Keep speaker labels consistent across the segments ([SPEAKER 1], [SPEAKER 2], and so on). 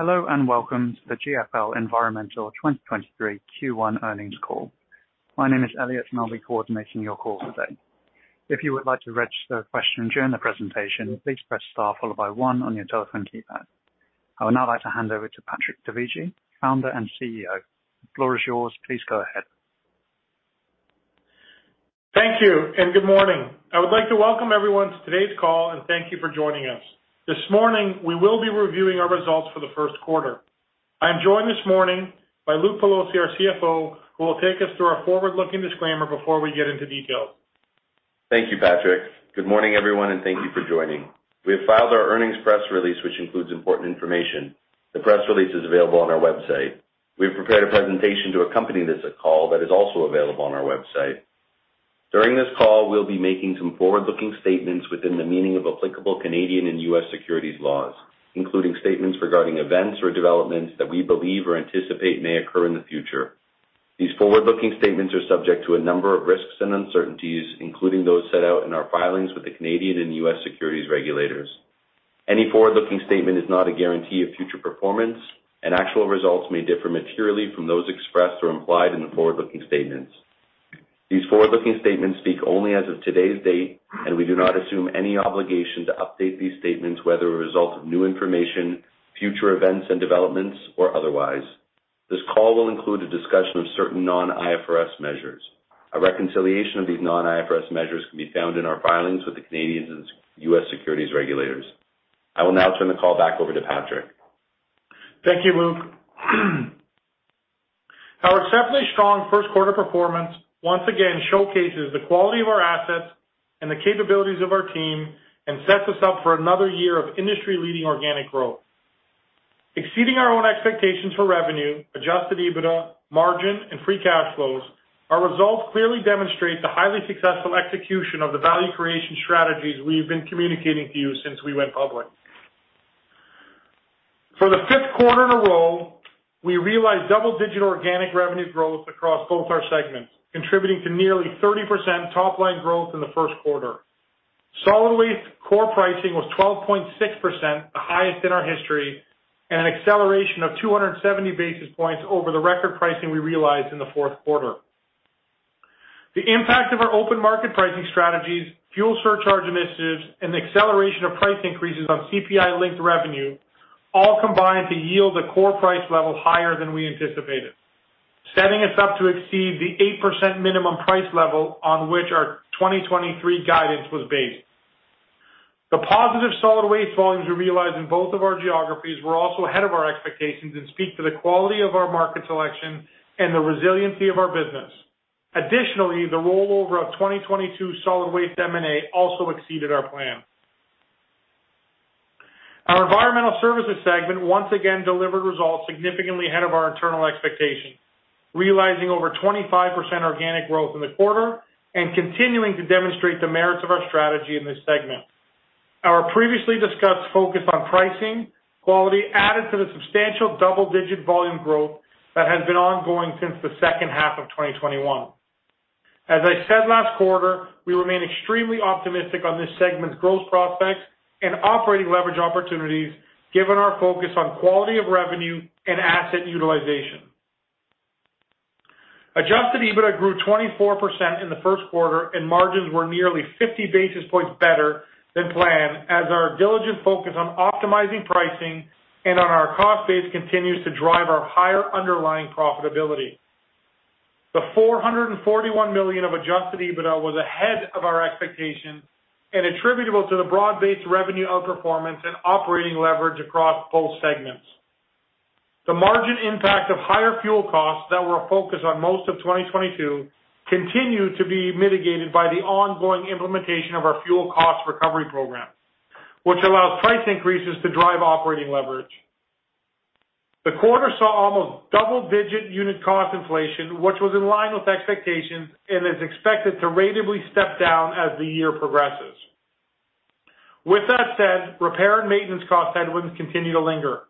[SPEAKER 1] Hello, welcome to the GFL Environmental 2023 Q1 earnings call. My name is Elliot, and I'll be coordinating your call today. If you would like to register a question during the presentation, please press star followed by 1 on your telephone keypad. I would now like to hand over to Patrick Dovigi, Founder and CEO. The floor is yours. Please go ahead.
[SPEAKER 2] Thank you and good morning. I would like to welcome everyone to today's call and thank you for joining us. This morning, we will be reviewing our results for the first quarter. I am joined this morning by Luke Pelosi, our CFO, who will take us through our forward-looking disclaimer before we get into details.
[SPEAKER 3] Thank you, Patrick. Good morning, everyone, and thank you for joining. We have filed our earnings press release, which includes important information. The press release is available on our website. We have prepared a presentation to accompany this call that is also available on our website. During this call, we'll be making some forward-looking statements within the meaning of applicable Canadian and U.S. securities laws, including statements regarding events or developments that we believe or anticipate may occur in the future. These forward-looking statements are subject to a number of risks and uncertainties, including those set out in our filings with the Canadian and U.S. securities regulators. Any forward-looking statement is not a guarantee of future performance, and actual results may differ materially from those expressed or implied in the forward-looking statements. These forward-looking statements speak only as of today's date. We do not assume any obligation to update these statements, whether a result of new information, future events and developments, or otherwise. This call will include a discussion of certain non-IFRS measures. A reconciliation of these non-IFRS measures can be found in our filings with the Canadian and US securities regulators. I will now turn the call back over to Patrick.
[SPEAKER 2] Thank you, Luke. Our exceptionally strong first quarter performance once again showcases the quality of our assets and the capabilities of our team and sets us up for another year of industry-leading organic growth. Exceeding our own expectations for revenue, Adjusted EBITDA, margin, and free cash flows, our results clearly demonstrate the highly successful execution of the value creation strategies we've been communicating to you since we went public. For the fifth quarter in a row, we realized double-digit organic revenue growth across both our segments, contributing to nearly 30% top-line growth in the first quarter. Solid waste core pricing was 12.6%, the highest in our history, and an acceleration of 270 basis points over the record pricing we realized in the fourth quarter. The impact of our open market pricing strategies, fuel surcharge initiatives, and the acceleration of price increases on CPI-linked revenue all combined to yield a core price level higher than we anticipated, setting us up to exceed the 8% minimum price level on which our 2023 guidance was based. The positive solid waste volumes we realized in both of our geographies were also ahead of our expectations and speak to the quality of our market selection and the resiliency of our business. Additionally, the rollover of 2022 solid waste M&A also exceeded our plan. Our environmental services segment once again delivered results significantly ahead of our internal expectations, realizing over 25% organic growth in the quarter and continuing to demonstrate the merits of our strategy in this segment. Our previously discussed focus on pricing, quality added to the substantial double-digit volume growth that has been ongoing since the second half of 2021. As I said last quarter, we remain extremely optimistic on this segment's growth prospects and operating leverage opportunities given our focus on quality of revenue and asset utilization. Adjusted EBITDA grew 24% in the first quarter, and margins were nearly 50 basis points better than planned as our diligent focus on optimizing pricing and on our cost base continues to drive our higher underlying profitability. The $441 million of Adjusted EBITDA was ahead of our expectations and attributable to the broad-based revenue outperformance and operating leverage across both segments. The margin impact of higher fuel costs that were a focus on most of 2022 continued to be mitigated by the ongoing implementation of our fuel cost recovery program, which allows price increases to drive operating leverage. The quarter saw almost double-digit unit cost inflation, which was in line with expectations and is expected to ratably step down as the year progresses. With that said, repair and maintenance cost headwinds continue to linger.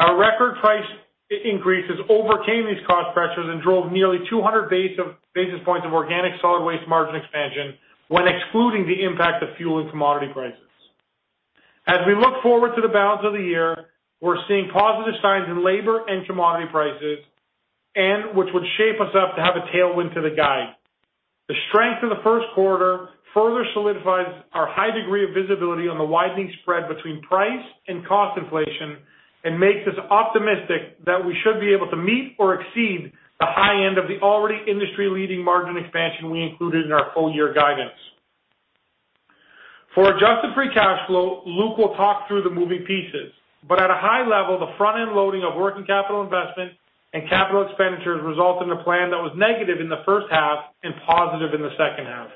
[SPEAKER 2] Our record price increases overcame these cost pressures and drove nearly 200 basis points of organic solid waste margin expansion when excluding the impact of fuel and commodity prices. As we look forward to the balance of the year, we're seeing positive signs in labor and commodity prices which would shape us up to have a tailwind to the guide. The strength in the first quarter further solidifies our high degree of visibility on the widening spread between price and cost inflation and makes us optimistic that we should be able to meet or exceed the high end of the already industry-leading margin expansion we included in our full-year guidance. For adjusted free cash flow, Luke will talk through the moving pieces, but at a high level, the front-end loading of working capital investment and capital expenditures result in a plan that was negative in the first half and positive in the second half.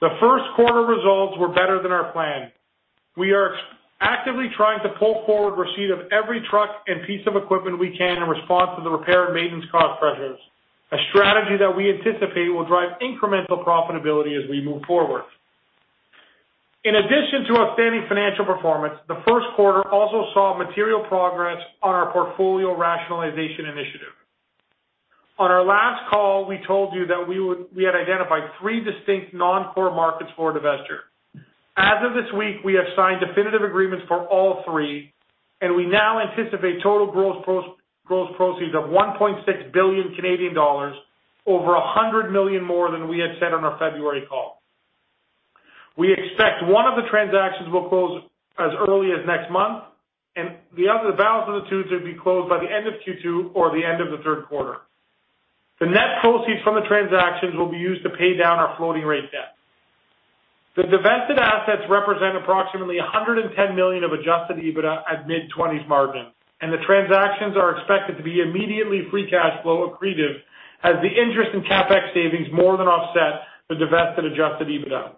[SPEAKER 2] The first quarter results were better than our plan. We are actively trying to pull forward receipt of every truck and piece of equipment we can in response to the repair and maintenance cost pressures, a strategy that we anticipate will drive incremental profitability as we move forward. In addition to outstanding financial performance, the first quarter also saw material progress on our portfolio rationalization initiative. On our last call, we told you that we had identified 3 distinct non-core markets for divesture. As of this week, we have signed definitive agreements for all 3. We now anticipate total gross proceeds of 1.6 billion Canadian dollars, over 100 million more than we had said on our February call. We expect 1 of the transactions will close as early as next month. The other balance of the 2 to be closed by the end of Q2 or the end of the third quarter. The net proceeds from the transactions will be used to pay down our floating rate debt. The divested assets represent approximately $110 million of Adjusted EBITDA at mid-20s margin. The transactions are expected to be immediately free cash flow accretive as the interest in CapEx savings more than offset the divested Adjusted EBITDA.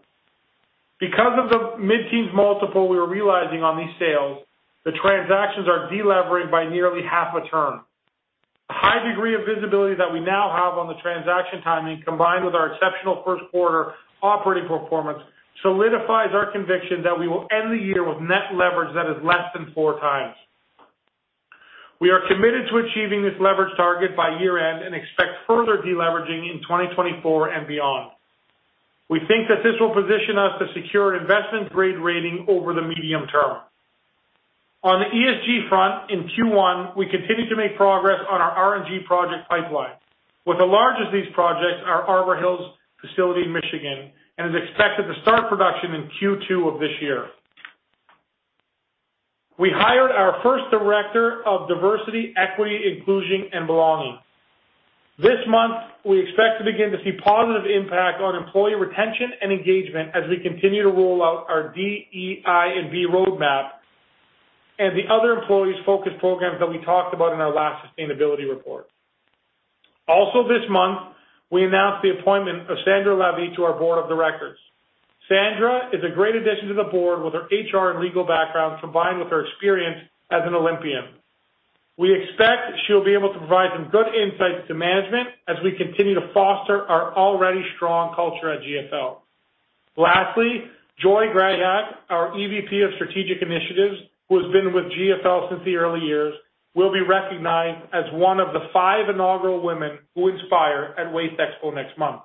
[SPEAKER 2] Because of the mid-teens multiple we were realizing on these sales, the transactions are delevering by nearly half a term. The high degree of visibility that we now have on the transaction timing, combined with our exceptional first quarter operating performance, solidifies our conviction that we will end the year with net leverage that is less than four times. We are committed to achieving this leverage target by year-end and expect further deleveraging in 2024 and beyond. We think that this will position us to secure an investment-grade rating over the medium term. On the ESG front, in Q1, we continued to make progress on our RNG project pipeline, with the largest of these projects, our Arbor Hills facility in Michigan, is expected to start production in Q2 of this year. We hired our first director of diversity, equity, inclusion, and belonging. This month, we expect to begin to see positive impact on employee retention and engagement as we continue to roll out our DEI&B roadmap and the other employees-focused programs that we talked about in our last sustainability report. Also this month, we announced the appointment of Sandra Levy to our board of directors. Sandra is a great addition to the board with her HR and legal background, combined with her experience as an Olympian. We expect she will be able to provide some good insights to management as we continue to foster our already strong culture at GFL. Joy Grahek, our EVP of Strategic Initiatives, who has been with GFL since the early years, will be recognized as one of the five inaugural women who inspire at WasteExpo next month.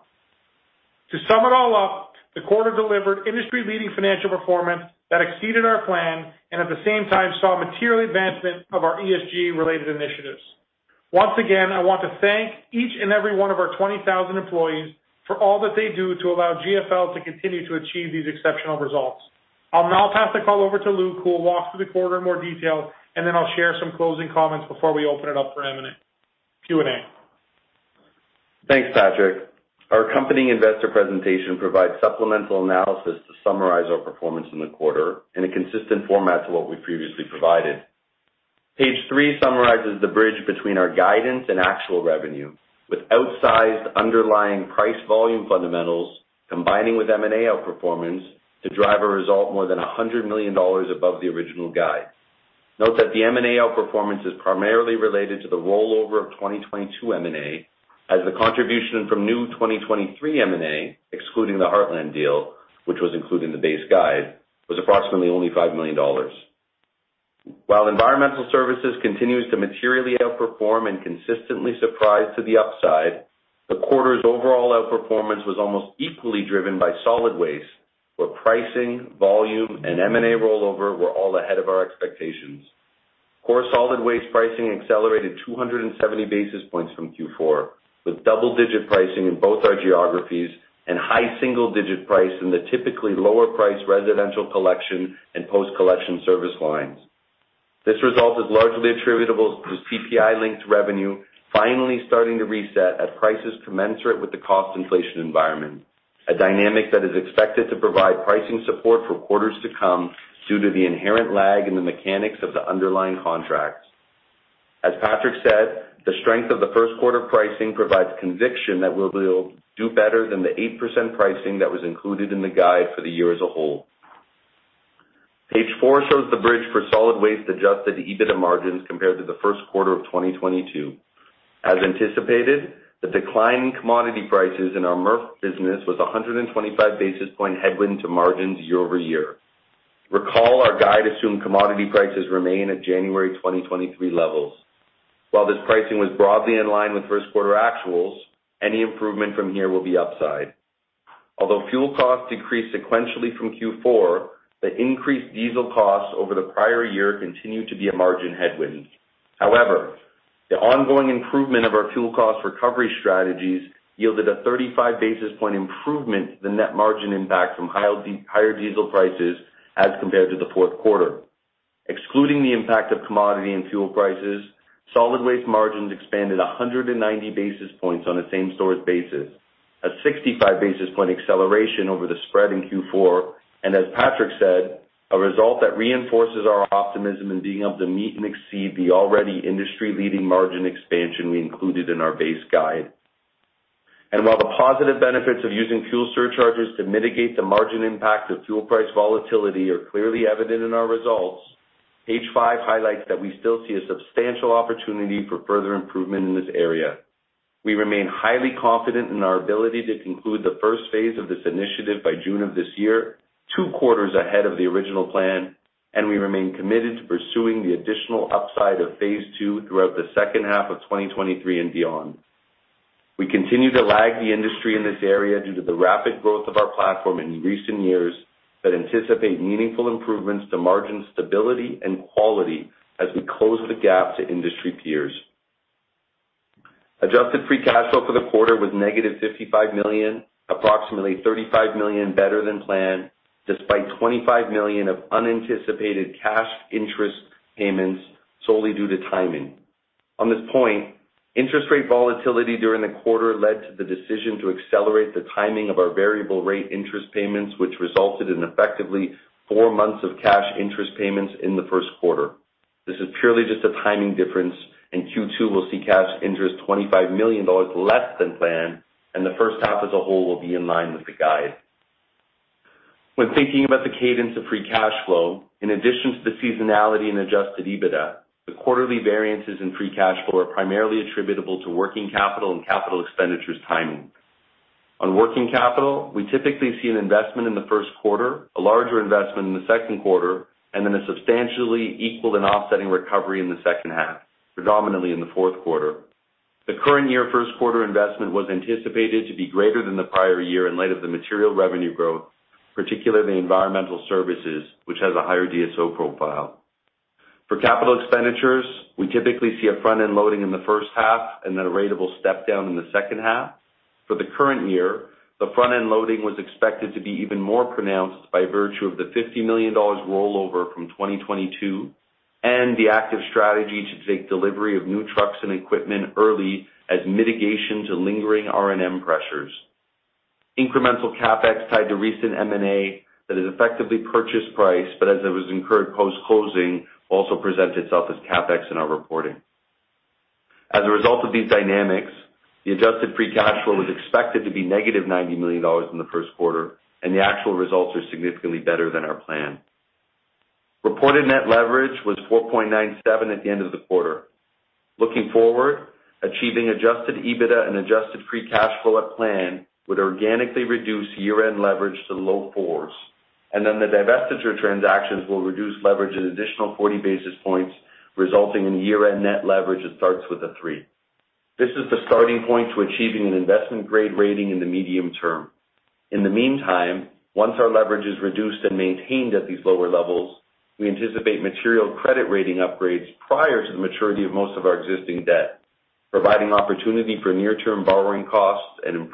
[SPEAKER 2] To sum it all up, the quarter delivered industry-leading financial performance that exceeded our plan and at the same time saw material advancement of our ESG-related initiatives. Once again, I want to thank each and every one of our 20,000 employees for all that they do to allow GFL to continue to achieve these exceptional results. I'll now pass the call over to Luke, who will walk through the quarter in more detail, and then I'll share some closing comments before we open it up for Q&A.
[SPEAKER 3] Thanks, Patrick. Our company investor presentation provides supplemental analysis to summarize our performance in the quarter in a consistent format to what we previously provided. Page three summarizes the bridge between our guidance and actual revenue, with outsized underlying price volume fundamentals combining with M&A outperformance to drive a result more than $100 million above the original guide. Note that the M&A outperformance is primarily related to the rollover of 2022 M&A as the contribution from new 2023 M&A, excluding the Heartland deal, which was included in the base guide, was approximately only $5 million. While environmental services continues to materially outperform and consistently surprise to the upside, the quarter's overall outperformance was almost equally driven by solid waste, where pricing, volume, and M&A rollover were all ahead of our expectations. Core solid waste pricing accelerated 270 basis points from Q4, with double-digit pricing in both our geographies and high single-digit price in the typically lower-priced residential collection and post-collection service lines. This result is largely attributable to CPI-linked revenue finally starting to reset at prices commensurate with the cost inflation environment, a dynamic that is expected to provide pricing support for quarters to come due to the inherent lag in the mechanics of the underlying contracts. As Patrick said, the strength of the first quarter pricing provides conviction that we'll be able to do better than the 8% pricing that was included in the guide for the year as a whole. Page 4 shows the bridge for solid waste Adjusted EBITDA margins compared to the first quarter of 2022. As anticipated, the decline in commodity prices in our MRF business was a 125 basis point headwind to margins year-over-year. Our guide assumed commodity prices remain at January 2023 levels. This pricing was broadly in line with first quarter actuals, any improvement from here will be upside. Fuel costs decreased sequentially from Q4, the increased diesel costs over the prior year continue to be a margin headwind. The ongoing improvement of our fuel cost recovery strategies yielded a 35 basis point improvement to the net margin impact from higher diesel prices as compared to the fourth quarter. Excluding the impact of commodity and fuel prices, solid waste margins expanded 190 basis points on a same-stores basis, a 65 basis point acceleration over the spread in Q4. As Patrick said, a result that reinforces our optimism in being able to meet and exceed the already industry-leading margin expansion we included in our base guide. While the positive benefits of using fuel surcharges to mitigate the margin impact of fuel price volatility are clearly evident in our results, page 5 highlights that we still see a substantial opportunity for further improvement in this area. We remain highly confident in our ability to conclude the first phase of this initiative by June of this year, two quarters ahead of the original plan. We remain committed to pursuing the additional upside of phase 2 throughout the second half of 2023 and beyond. We continue to lag the industry in this area due to the rapid growth of our platform in recent years that anticipate meaningful improvements to margin stability and quality as we close the gap to industry peers. Adjusted free cash flow for the quarter was negative $55 million, approximately $35 million better than planned, despite $25 million of unanticipated cash interest payments solely due to timing. On this point, interest rate volatility during the quarter led to the decision to accelerate the timing of our variable rate interest payments, which resulted in effectively four months of cash interest payments in the first quarter. This is purely just a timing difference. In Q2, we'll see cash interest $25 million less than planned, and the first half as a whole will be in line with the guide. When thinking about the cadence of free cash flow, in addition to the seasonality and Adjusted EBITDA, the quarterly variances in free cash flow are primarily attributable to working capital and capital expenditures timing. On working capital, we typically see an investment in the first quarter, a larger investment in the second quarter, and then a substantially equal and offsetting recovery in the second half, predominantly in the fourth quarter. The current year first quarter investment was anticipated to be greater than the prior year in light of the material revenue growth, particularly environmental services, which has a higher DSO profile. For capital expenditures, we typically see a front-end loading in the first half and then a ratable step down in the second half. For the current year, the front-end loading was expected to be even more pronounced by virtue of the $50 million rollover from 2022 and the active strategy to take delivery of new trucks and equipment early as mitigation to lingering R&M pressures. Incremental CapEx tied to recent M&A that is effectively purchase price, but as it was incurred post-closing, also presents itself as CapEx in our reporting. As a result of these dynamics, the adjusted free cash flow is expected to be negative $90 million in the first quarter. The actual results are significantly better than our plan. Reported net leverage was 4.97 at the end of the quarter. Looking forward, achieving Adjusted EBITDA and adjusted free cash flow at plan would organically reduce year-end leverage to low 4s. The divestiture transactions will reduce leverage an additional 40 basis points, resulting in year-end net leverage that starts with a 3. This is the starting point to achieving an investment-grade rating in the medium term. In the meantime, once our leverage is reduced and maintained at these lower levels, we anticipate material credit rating upgrades prior to the maturity of most of our existing debt, providing opportunity for near-term borrowing costs and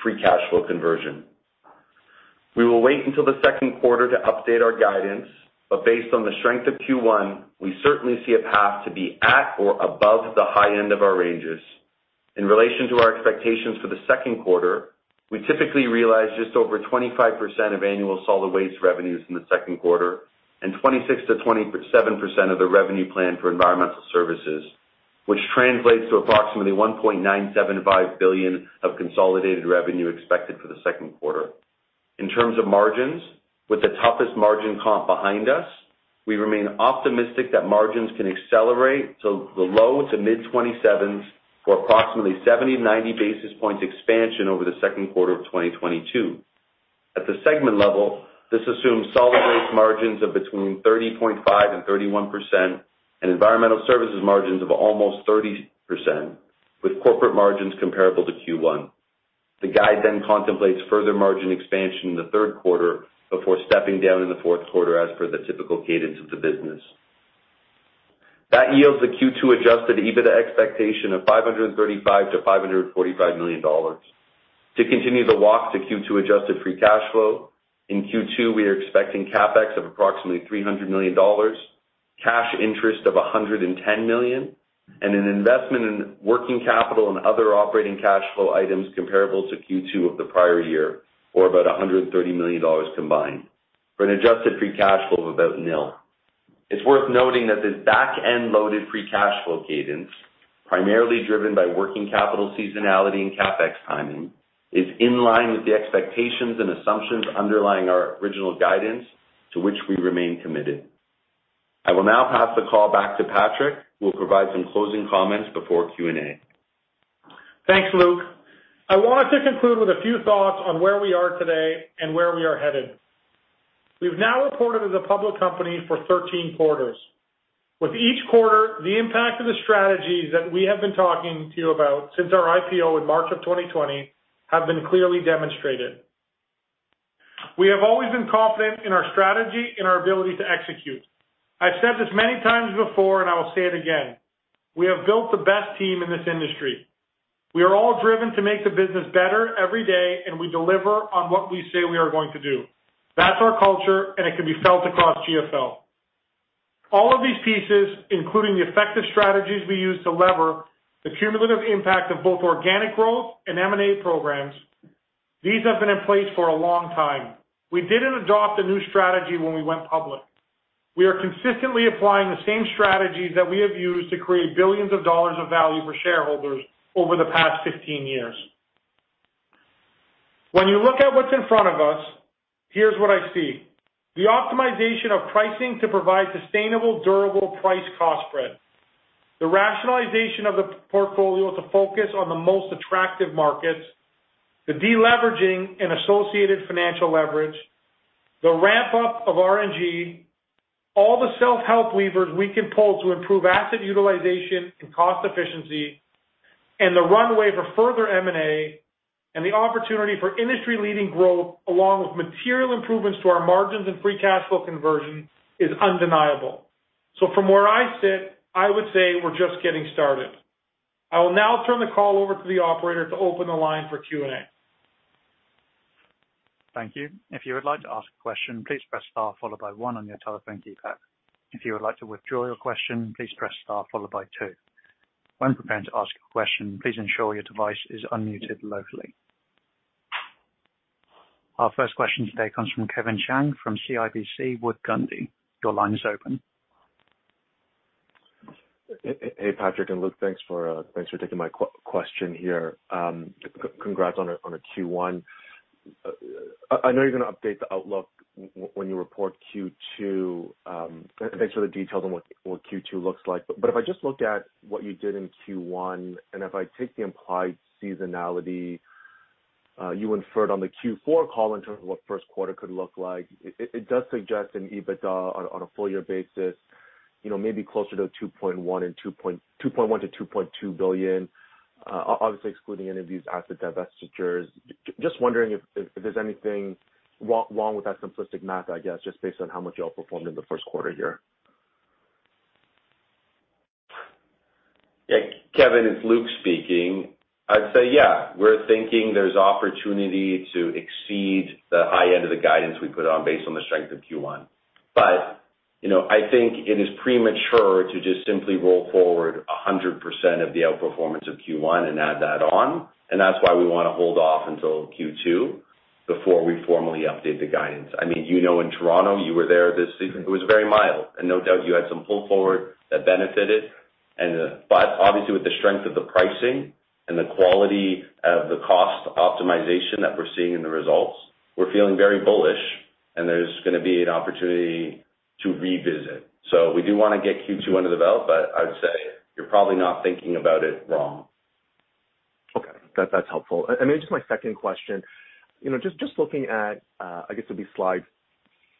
[SPEAKER 3] improved free cash flow conversion. We will wait until the second quarter to update our guidance. Based on the strength of Q1, we certainly see a path to be at or above the high end of our ranges. In relation to our expectations for the second quarter, we typically realize just over 25% of annual solid waste revenues in the second quarter and 26%-27% of the revenue plan for environmental services, which translates to approximately $1.975 billion of consolidated revenue expected for the second quarter. In terms of margins, with the toughest margin comp behind us, we remain optimistic that margins can accelerate to the low to mid 27s or approximately 70-90 basis points expansion over the second quarter of 2022. At the segment level, this assumes solid waste margins of between 30.5% and 31% and environmental services margins of almost 30%, with corporate margins comparable to Q1. The guide then contemplates further margin expansion in the third quarter before stepping down in the fourth quarter as per the typical cadence of the business. That yields a Q2 Adjusted EBITDA expectation of $535 million-$545 million. To continue the walk to Q2 adjusted free cash flow, in Q2, we are expecting CapEx of approximately $300 million, cash interest of $110 million, and an investment in working capital and other operating cash flow items comparable to Q2 of the prior year, or about $130 million combined, for an adjusted free cash flow of about nil. It's worth noting that this back-end loaded free cash flow cadence, primarily driven by working capital seasonality and CapEx timing, is in line with the expectations and assumptions underlying our original guidance to which we remain committed. I will now pass the call back to Patrick, who will provide some closing comments before Q&A.
[SPEAKER 2] Thanks, Luke. I want to conclude with a few thoughts on where we are today and where we are headed. We've now reported as a public company for 13 quarters. With each quarter, the impact of the strategies that we have been talking to you about since our IPO in March of 2020 have been clearly demonstrated. We have always been confident in our strategy and our ability to execute. I've said this many times before, and I will say it again. We have built the best team in this industry. We are all driven to make the business better every day, and we deliver on what we say we are going to do. That's our culture, and it can be felt across GFL. All of these pieces, including the effective strategies we use to lever the cumulative impact of both organic growth and M&A programs, these have been in place for a long time. We didn't adopt a new strategy when we went public. We are consistently applying the same strategies that we have used to create billions of dollars of value for shareholders over the past 15 years. When you look at what's in front of us, here's what I see. The optimization of pricing to provide sustainable, durable price-cost spread. The rationalization of the portfolio to focus on the most attractive markets, the de-leveraging and associated financial leverage, the ramp-up of RNG, all the self-help levers we can pull to improve asset utilization and cost efficiency, and the runway for further M&A, and the opportunity for industry-leading growth, along with material improvements to our margins and free cash flow conversion, is undeniable. From where I sit, I would say we're just getting started. I will now turn the call over to the operator to open the line for Q&A.
[SPEAKER 1] Thank you. If you would like to ask a question, please press star followed by one on your telephone keypad. If you would like to withdraw your question, please press star followed by two. When preparing to ask your question, please ensure your device is unmuted locally. Our first question today comes from Kevin Chiang from CIBC Capital Markets. Your line is open.
[SPEAKER 4] Hey, Patrick and Luke. Thanks for taking my question here. Congrats on a Q1. I know you're gonna update the outlook when you report Q2, and actually the details on what Q2 looks like. If I just looked at what you did in Q1, and if I take the implied seasonality you inferred on the Q4 call in terms of what first quarter could look like, it does suggest an EBITDA on a full year basis, you know, maybe closer to $2.1 billion-$2.2 billion, obviously excluding any of these asset divestitures. Just wondering if there's anything wrong with that simplistic math, I guess, just based on how much y'all performed in the first quarter here.
[SPEAKER 3] Kevin, it's Luke speaking. I'd say, yeah, we're thinking there's opportunity to exceed the high end of the guidance we put on based on the strength of Q1. You know, I think it is premature to just simply roll forward 100% of the outperformance of Q1 and add that on, and that's why we wanna hold off until Q2 before we formally update the guidance. I mean, you know, in Toronto, you were there this season, it was very mild. No doubt you had some pull forward that benefited and the... Obviously, with the strength of the pricing and the quality of the cost optimization that we're seeing in the results, we're feeling very bullish, and there's gonna be an opportunity to revisit. We do wanna get Q2 under the belt, but I'd say you're probably not thinking about it wrong.
[SPEAKER 4] Okay. That's helpful. Just my second question, looking at, I guess it'd be slide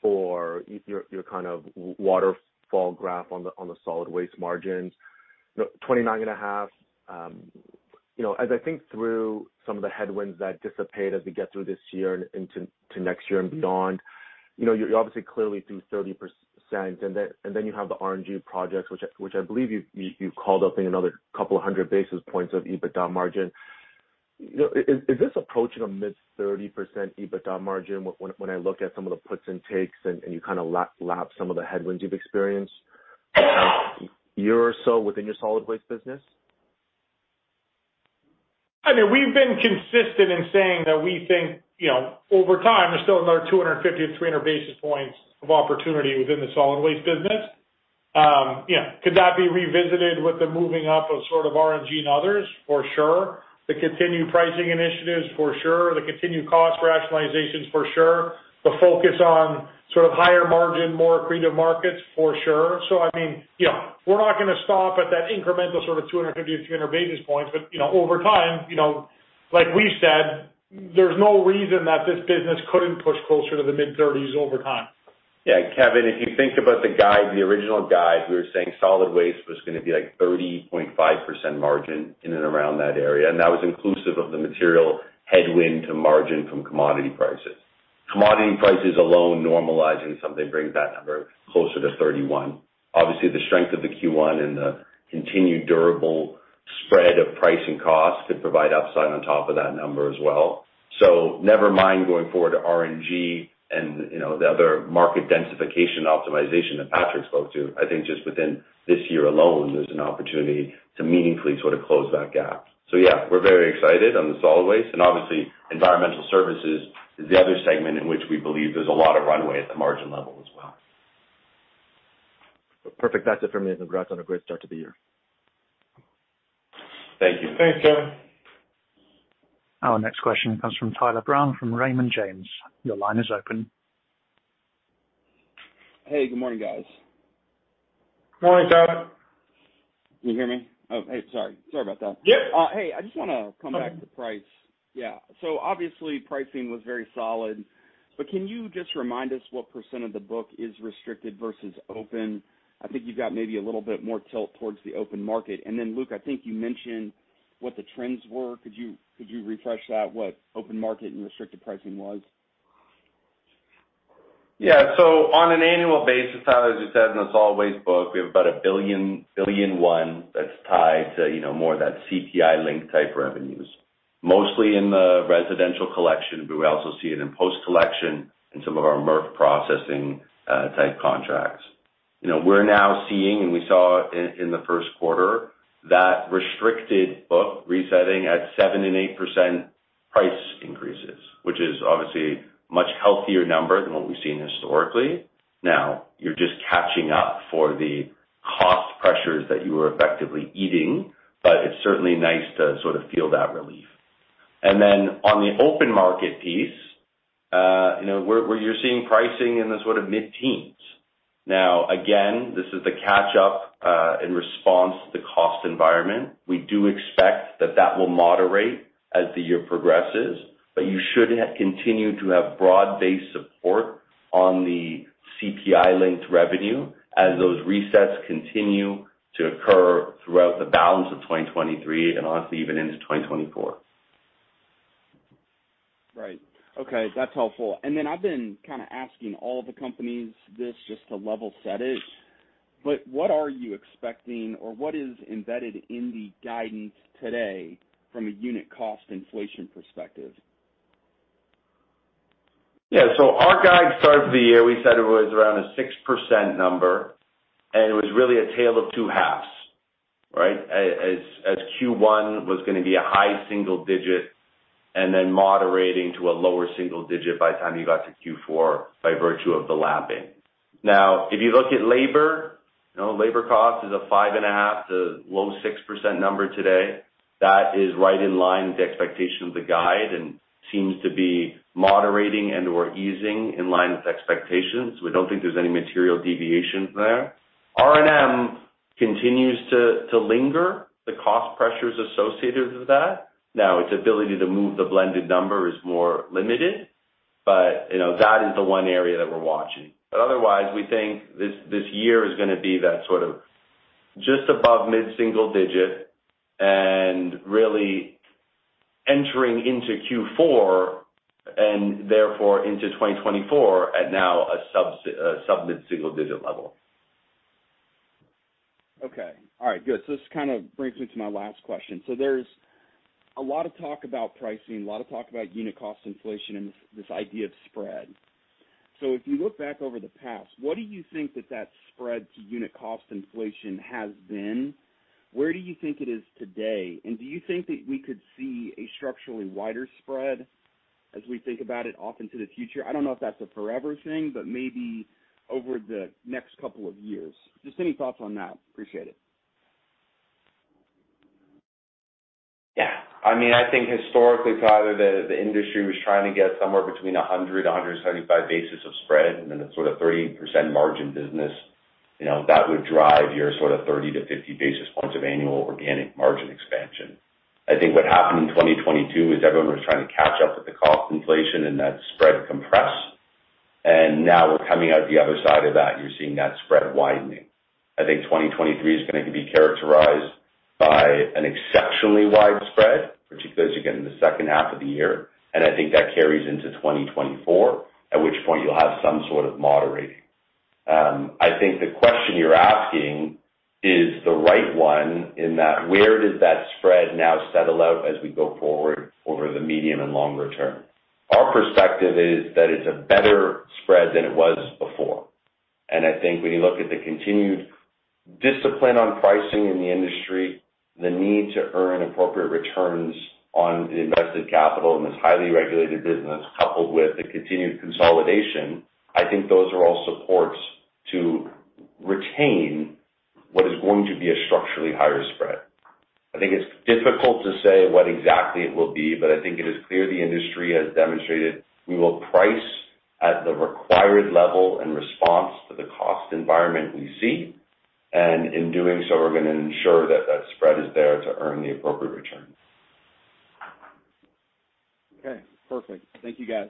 [SPEAKER 4] 4, your kind of waterfall graph on the solid waste margins. The 29.5, as I think through some of the headwinds that dissipate as we get through this year and into next year and beyond, you're obviously clearly through 30%, then you have the RNG projects, which I believe you've called up in another couple of 100 basis points of EBITDA margin. Is this approaching a mid 30% EBITDA margin when I look at some of the puts and takes and you kinda lap some of the headwinds you've experienced year or so within your solid waste business?
[SPEAKER 2] I mean, we've been consistent in saying that we think, you know, over time, there's still another 250-300 basis points of opportunity within the solid waste business. Yeah, could that be revisited with the moving up of sort of RNG and others? For sure. The continued pricing initiatives? For sure. The continued cost rationalizations? For sure. The focus on sort of higher margin, more accretive markets? For sure. I mean, you know, we're not gonna stop at that incremental sort of 250-300 basis points. You know, over time, you know, like we said, there's no reason that this business couldn't push closer to the mid-30s over time.
[SPEAKER 3] Yeah. Kevin, if you think about the guide, the original guide, we were saying solid waste was gonna be like 30.5% margin in and around that area, and that was inclusive of the material headwind to margin from commodity prices. Commodity prices alone normalizing something brings that number closer to 31. Obviously, the strength of the Q1 and the continued durable spread of pricing costs could provide upside on top of that number as well. Never mind going forward to RNG and, you know, the other market densification optimization that Patrick spoke to. I think just within this year alone, there's an opportunity to meaningfully sort of close that gap. Yeah, we're very excited on the solid waste, and obviously, environmental services is the other segment in which we believe there's a lot of runway at the margin level as well.
[SPEAKER 4] Perfect. That's it for me. Congrats on a great start to the year.
[SPEAKER 3] Thank you.
[SPEAKER 2] Thanks, Kevin.
[SPEAKER 1] Our next question comes from Tyler Brown from Raymond James. Your line is open.
[SPEAKER 5] Hey, good morning, guys.
[SPEAKER 2] Morning, Tyler.
[SPEAKER 5] Can you hear me? Oh, hey, sorry. Sorry about that.
[SPEAKER 2] Yep.
[SPEAKER 5] Hey, I just wanna come back to price. Obviously pricing was very solid, but can you just remind us what percent of the book is restricted versus open? I think you've got maybe a little bit more tilt towards the open market. Then, Luke, I think you mentioned what the trends were. Could you refresh that, what open market and restricted pricing was?
[SPEAKER 3] On an annual basis, Tyler, as you said, in the solid waste book, we have about $1 billion-$1.1 billion that's tied to, you know, more of that CPI-linked type revenues. Mostly in the residential collection, but we also see it in post-collection and some of our MRF processing type contracts. You know, we're now seeing, and we saw in the first quarter, that restricted book resetting at 7%-8% price increases, which is obviously much healthier number than what we've seen historically. You're just catching up for the cost pressures that you were effectively eating, but it's certainly nice to sort of feel that relief. On the open market piece, you know, where you're seeing pricing in the sort of mid-teens. Again, this is the catch up in response to the cost environment. We do expect that that will moderate as the year progresses, but you should have continued to have broad-based support on the CPI linked revenue as those resets continue to occur throughout the balance of 2023 and honestly even into 2024.
[SPEAKER 5] Right. Okay, that's helpful. I've been kind of asking all the companies this just to level set it, but what are you expecting or what is embedded in the guidance today from a unit cost inflation perspective?
[SPEAKER 3] Our guide start of the year, we said it was around a 6% number, and it was really a tale of two halves, right? As Q1 was gonna be a high single-digit and then moderating to a lower single-digit by the time you got to Q4 by virtue of the lapping. Now if you look at labor, you know, labor cost is a 5.5% to low 6% number today. That is right in line with the expectation of the guide and seems to be moderating and or easing in line with expectations. We don't think there's any material deviations there. R&M continues to linger the cost pressures associated with that. Now, its ability to move the blended number is more limited, but, you know, that is the one area that we're watching. Otherwise, we think this year is gonna be that sort of just above mid-single digit and really entering into Q4 and therefore into 2024 at now a sub-mid single digit level.
[SPEAKER 5] Okay. All right, good. This kind of brings me to my last question. There's a lot of talk about pricing, a lot of talk about unit cost inflation and this idea of spread. If you look back over the past, what do you think that that spread to unit cost inflation has been? Where do you think it is today? Do you think that we could see a structurally wider spread as we think about it off into the future? I don't know if that's a forever thing, but maybe over the next couple of years. Just any thoughts on that. Appreciate it.
[SPEAKER 3] I mean, I think historically, Tyler, the industry was trying to get somewhere between 100, 175 basis of spread and then a sort of 38% margin business, you know, that would drive your sort of 30-50 basis points of annual organic margin expansion. I think what happened in 2022 is everyone was trying to catch up with the cost inflation and that spread compressed. Now we're coming out the other side of that, and you're seeing that spread widening. I think 2023 is gonna be characterized by an exceptionally wide spread, particularly as you get in the second half of the year, and I think that carries into 2024, at which point you'll have some sort of moderating. I think the question you're asking is the right one in that where does that spread now settle out as we go forward over the medium and longer term? Our perspective is that it's a better spread than it was before. I think when you look at the continued discipline on pricing in the industry, the need to earn appropriate returns on the invested capital in this highly regulated business coupled with the continued consolidation, I think those are all supports to retain what is going to be a structurally higher spread. I think it's difficult to say what exactly it will be, but I think it is clear the industry has demonstrated we will price at the required level in response to the cost environment we see. In doing so, we're gonna ensure that that spread is there to earn the appropriate return.
[SPEAKER 5] Okay, perfect. Thank you, guys.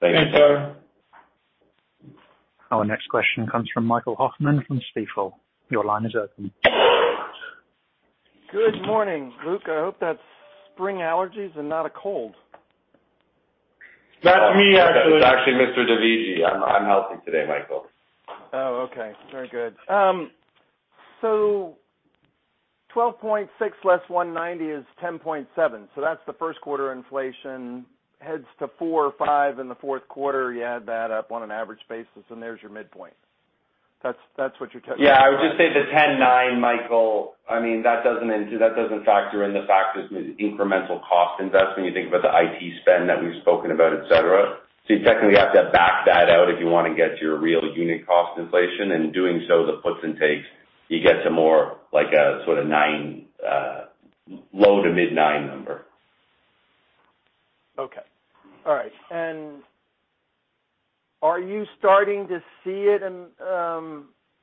[SPEAKER 3] Thank you, Tyler.
[SPEAKER 1] Our next question comes from Michael Hoffman from Stifel. Your line is open.
[SPEAKER 6] Good morning, Luke. I hope that's spring allergies and not a cold.
[SPEAKER 2] Not me, actually.
[SPEAKER 3] It's actually Mr. Dovigi. I'm healthy today, Michael.
[SPEAKER 6] Oh, okay. Very good. 12.6 less 190 is 10.7. That's the first quarter inflation heads to 4 or 5 in the fourth quarter. You add that up on an average basis, there's your midpoint. That's what you're.
[SPEAKER 3] Yeah. I would just say the 10.9%, Michael, I mean that doesn't factor in the fact there's incremental cost investment when you think about the IT spend that we've spoken about, et cetera. You technically have to back that out if you want to get your real unit cost inflation. In doing so, the puts and takes, you get to more like a sort of 9%, low to mid-9% number.
[SPEAKER 6] Okay. All right. Are you starting to see it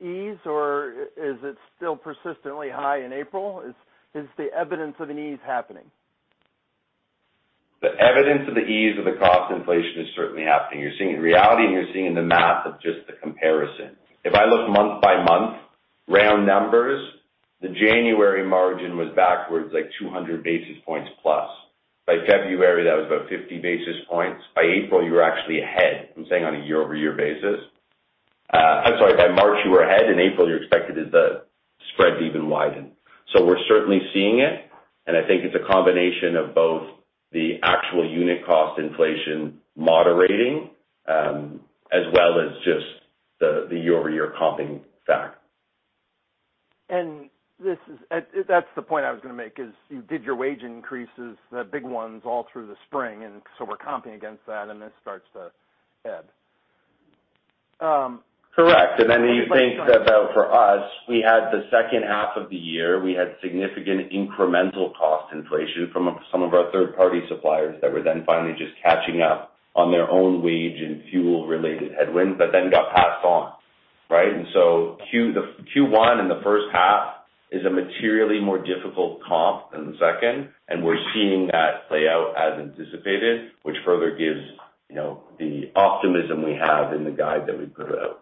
[SPEAKER 6] ease, or is it still persistently high in April? Is the evidence of an ease happening?
[SPEAKER 3] The evidence of the ease of the cost inflation is certainly happening. You're seeing it in reality, and you're seeing in the math of just the comparison. If I look month by month, round numbers, the January margin was backwards like 200 basis points plus. By February, that was about 50 basis points. By April, you were actually ahead, I'm saying on a year-over-year basis. I'm sorry, by March you were ahead. In April, you're expected the spread to even widen. We're certainly seeing it, and I think it's a combination of both the actual unit cost inflation moderating, as well as just the year-over-year comping fact.
[SPEAKER 6] That's the point I was gonna make is you did your wage increases, the big ones, all through the spring, and so we're comping against that and this starts to ebb.
[SPEAKER 3] You think that for us, we had the second half of the year, we had significant incremental cost inflation from some of our third party suppliers that were then finally just catching up on their own wage and fuel related headwinds that then got passed on, right? Q1 in the first half is a materially more difficult comp than the second, and we're seeing that play out as anticipated, which further gives, you know, the optimism we have in the guide that we put out.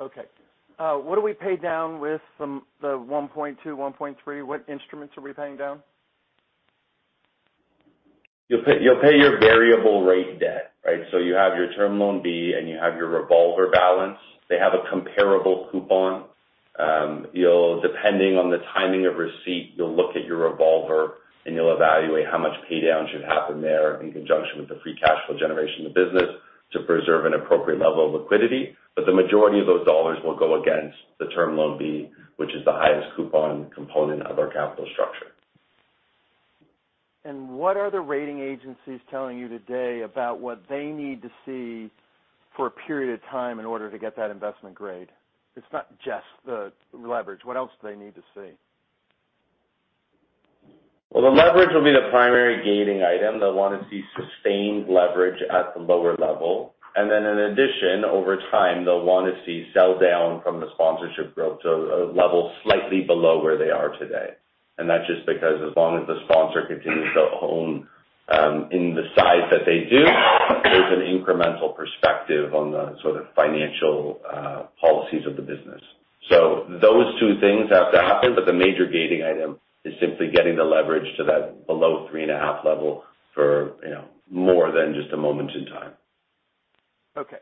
[SPEAKER 6] Okay. what do we pay down with from the 1.2, 1.3? What instruments are we paying down?
[SPEAKER 3] You'll pay your variable rate debt, right? You have your Term Loan B, and you have your revolver balance. They have a comparable coupon. Depending on the timing of receipt, you'll look at your revolver, and you'll evaluate how much pay down should happen there in conjunction with the free cash flow generation of the business to preserve an appropriate level of liquidity. The majority of those dollars will go against the Term Loan B, which is the highest coupon component of our capital structure.
[SPEAKER 6] What are the rating agencies telling you today about what they need to see for a period of time in order to get that investment grade? It's not just the leverage. What else do they need to see?
[SPEAKER 3] Well, the leverage will be the primary gating item. They'll want to see sustained leverage at the lower level. In addition, over time, they'll want to see sell down from the sponsorship growth to a level slightly below where they are today. That's just because as long as the sponsor continues to own, in the size that they do, there's an incremental perspective on the sort of financial policies of the business. Those two things have to happen, but the major gating item is simply getting the leverage to that below 3.5 level for, you know, more than just a moment in time.
[SPEAKER 6] Okay.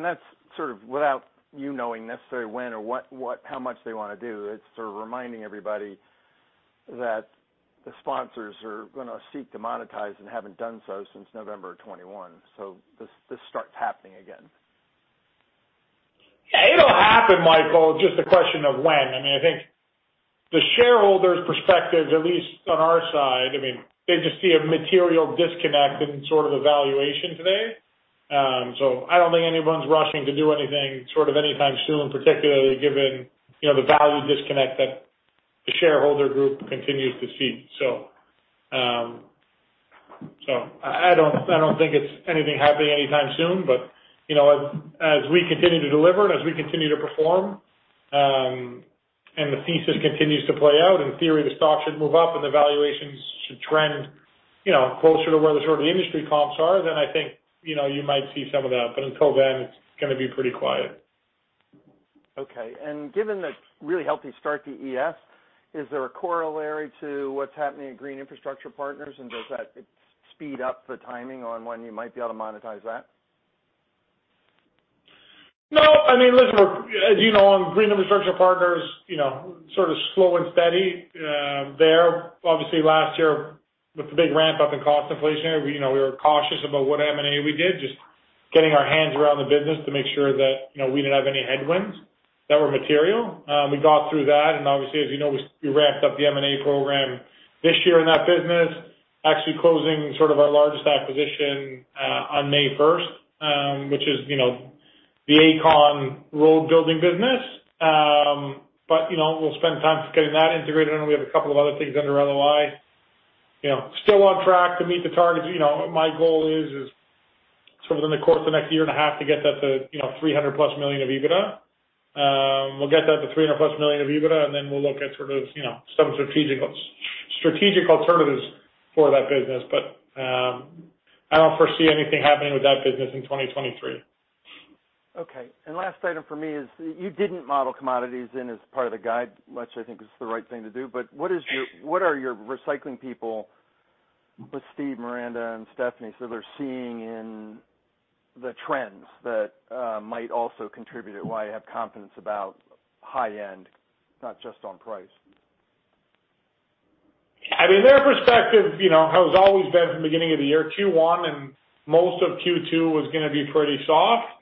[SPEAKER 6] That's sort of without you knowing necessarily when or what, how much they want to do. It's sort of reminding everybody that the sponsors are gonna seek to monetize and haven't done so since November of 2021. This starts happening again.
[SPEAKER 2] It'll happen, Michael, just a question of when. I mean, I think the shareholders perspective, at least on our side, I mean, they just see a material disconnect in sort of evaluation today. I don't think anyone's rushing to do anything sort of anytime soon, particularly given, you know, the value disconnect that the shareholder group continues to see. I don't, I don't think it's anything happening anytime soon, but, you know, as we continue to deliver and as we continue to perform, and the thesis continues to play out, in theory, the stock should move up and the valuations should trend, you know, closer to where the sort of industry comps are, then I think, you know, you might see some of that. Until then, it's gonna be pretty quiet.
[SPEAKER 6] Okay. Given the really healthy start to ES, is there a corollary to what's happening at Green Infrastructure Partners? Does that speed up the timing on when you might be able to monetize that?
[SPEAKER 2] No. I mean, listen, as you know, on Green Infrastructure Partners, you know, sort of slow and steady, there. Obviously last year with the big ramp up in cost inflation, you know, we were cautious about what M&A we did, just getting our hands around the business to make sure that, you know, we didn't have any headwinds that were material. We got through that and obviously, as you know, we ramped up the M&A program this year in that business, actually closing sort of our largest acquisition, on May 1st, which is, you know, the Aecon road building business. You know, we'll spend time getting that integrated, and we have a couple of other things under LOI. You know, still on track to meet the targets. You know, my goal is sort of in the course of the next year and a half to get that to, you know, $300+ million of EBITDA. We'll get that to $300+ million of EBITDA, and then we'll look at sort of, you know, some strategic alternatives for that business. I don't foresee anything happening with that business in 2023.
[SPEAKER 6] Okay. Last item for me is you didn't model commodities in as part of the guide, which I think is the right thing to do. What are your recycling people with Steve, Miranda and Stephanie, so they're seeing in the trends that might also contribute to why you have confidence about high end, not just on price?
[SPEAKER 2] I mean, their perspective, you know, has always been from the beginning of the year, Q1 and most of Q2 was gonna be pretty soft.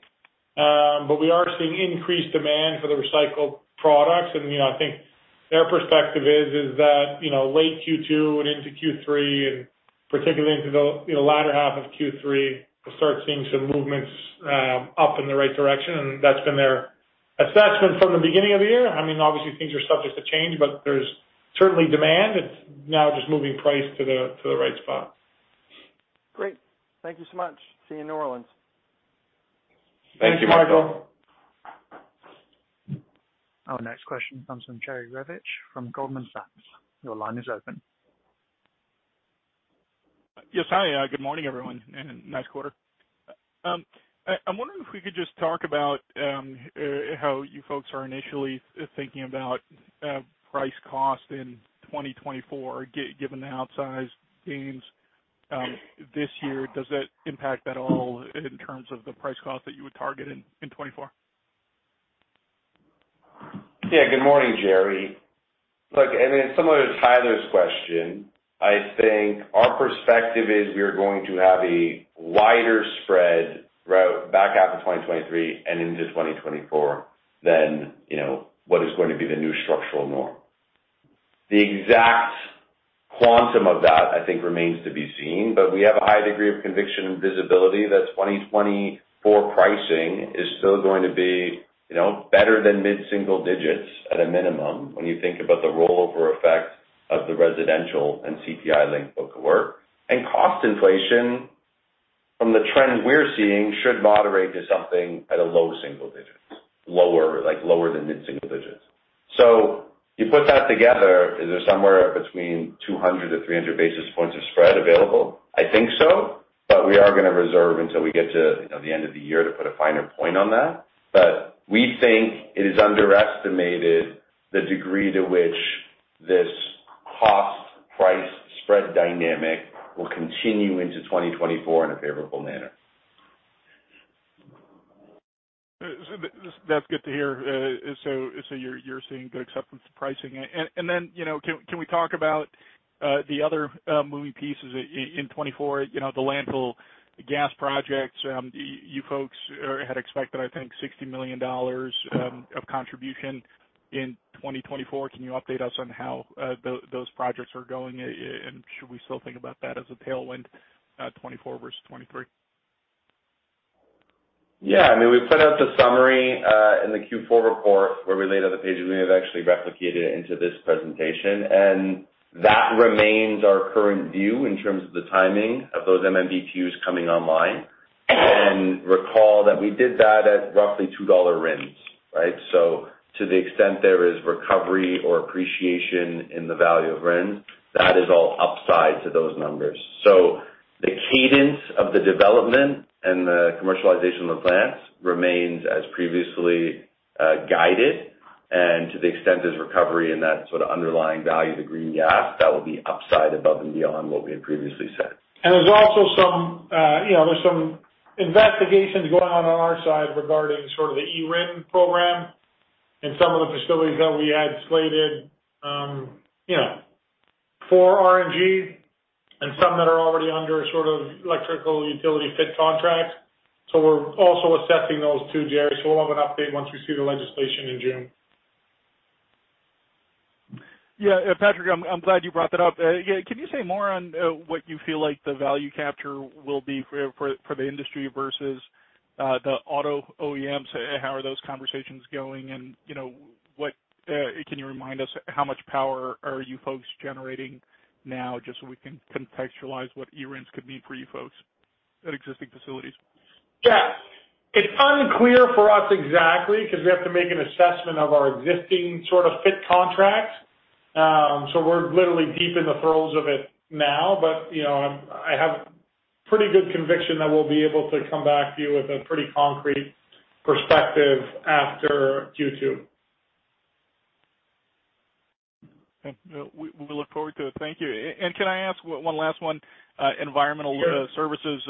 [SPEAKER 2] We are seeing increased demand for the recycled products. You know, I think their perspective is that, you know, late Q2 and into Q3, and particularly into the latter half of Q3, we'll start seeing some movements, up in the right direction. That's been their assessment from the beginning of the year. I mean, obviously things are subject to change, but there's certainly demand. It's now just moving price to the, to the right spot.
[SPEAKER 6] Great. Thank you so much. See you in New Orleans.
[SPEAKER 2] Thank you, Michael.
[SPEAKER 3] Thank you.
[SPEAKER 1] Our next question comes from Jerry Revich from Goldman Sachs. Your line is open.
[SPEAKER 7] Yes. Hi. Good morning, everyone, and nice quarter. I'm wondering if we could just talk about how you folks are initially thinking about price cost in 2024, given the outsized gains this year. Does that impact at all in terms of the price cost that you would target in 2024?
[SPEAKER 3] Yeah. Good morning, Jerry. Look, then similar to Tyler's question, I think our perspective is we are going to have a wider spread throughout back half of 2023 and into 2024 than, you know, what is going to be the new structural norm. The exact quantum of that, I think remains to be seen, but we have a high degree of conviction and visibility that 2024 pricing is still going to be, you know, better than mid-single digits at a minimum when you think about the rollover effect of the residential and CPI linked book of work. Cost inflation from the trends we're seeing should moderate to something at a low single digits, lower, like, lower than mid-single digits. You put that together, is there somewhere between 200-300 basis points of spread available? I think so, we are going to reserve until we get to, you know, the end of the year to put a finer point on that. We think it is underestimated the degree to which this cost price spread dynamic will continue into 2024 in a favorable manner.
[SPEAKER 7] That's good to hear. You're seeing good acceptance pricing. Then, you know, can we talk about the other moving pieces in 2024, you know, the landfill gas projects. You folks had expected, I think $60 million of contribution in 2024. Can you update us on how those projects are going, and should we still think about that as a tailwind, 2024 versus 2023?
[SPEAKER 3] Yeah. I mean, we put out the summary, in the Q4 report where we laid out the pages. We have actually replicated it into this presentation, and that remains our current view in terms of the timing of those MMBtus coming online. Recall that we did that at roughly $2 RINs, right? To the extent there is recovery or appreciation in the value of RIN, that is all upside to those numbers. The cadence of the development and the commercialization of the plants remains as previously, guided to the extent there's recovery in that sort of underlying value of the green gas, that will be upside above and beyond what we had previously said.
[SPEAKER 2] There's also some, you know, there's some investigations going on on our side regarding sort of the EPR program and some of the facilities that we had slated, you know, for RNG and some that are already under sort of electrical utility fit contracts. We're also assessing those too, Jerry. We'll have an update once we see the legislation in June.
[SPEAKER 7] Yeah, Patrick, I'm glad you brought that up. Yeah, can you say more on what you feel like the value capture will be for the industry versus the auto OEMs? How are those conversations going? You know, what can you remind us how much power are you folks generating now, just so we can contextualize what RINs could mean for you folks at existing facilities?
[SPEAKER 2] Yeah. It's unclear for us exactly, 'cause we have to make an assessment of our existing sort of fit contracts. We're literally deep in the throes of it now. You know, I have pretty good conviction that we'll be able to come back to you with a pretty concrete perspective after Q2.
[SPEAKER 7] We look forward to it. Thank you. Can I ask one last one, environmental services,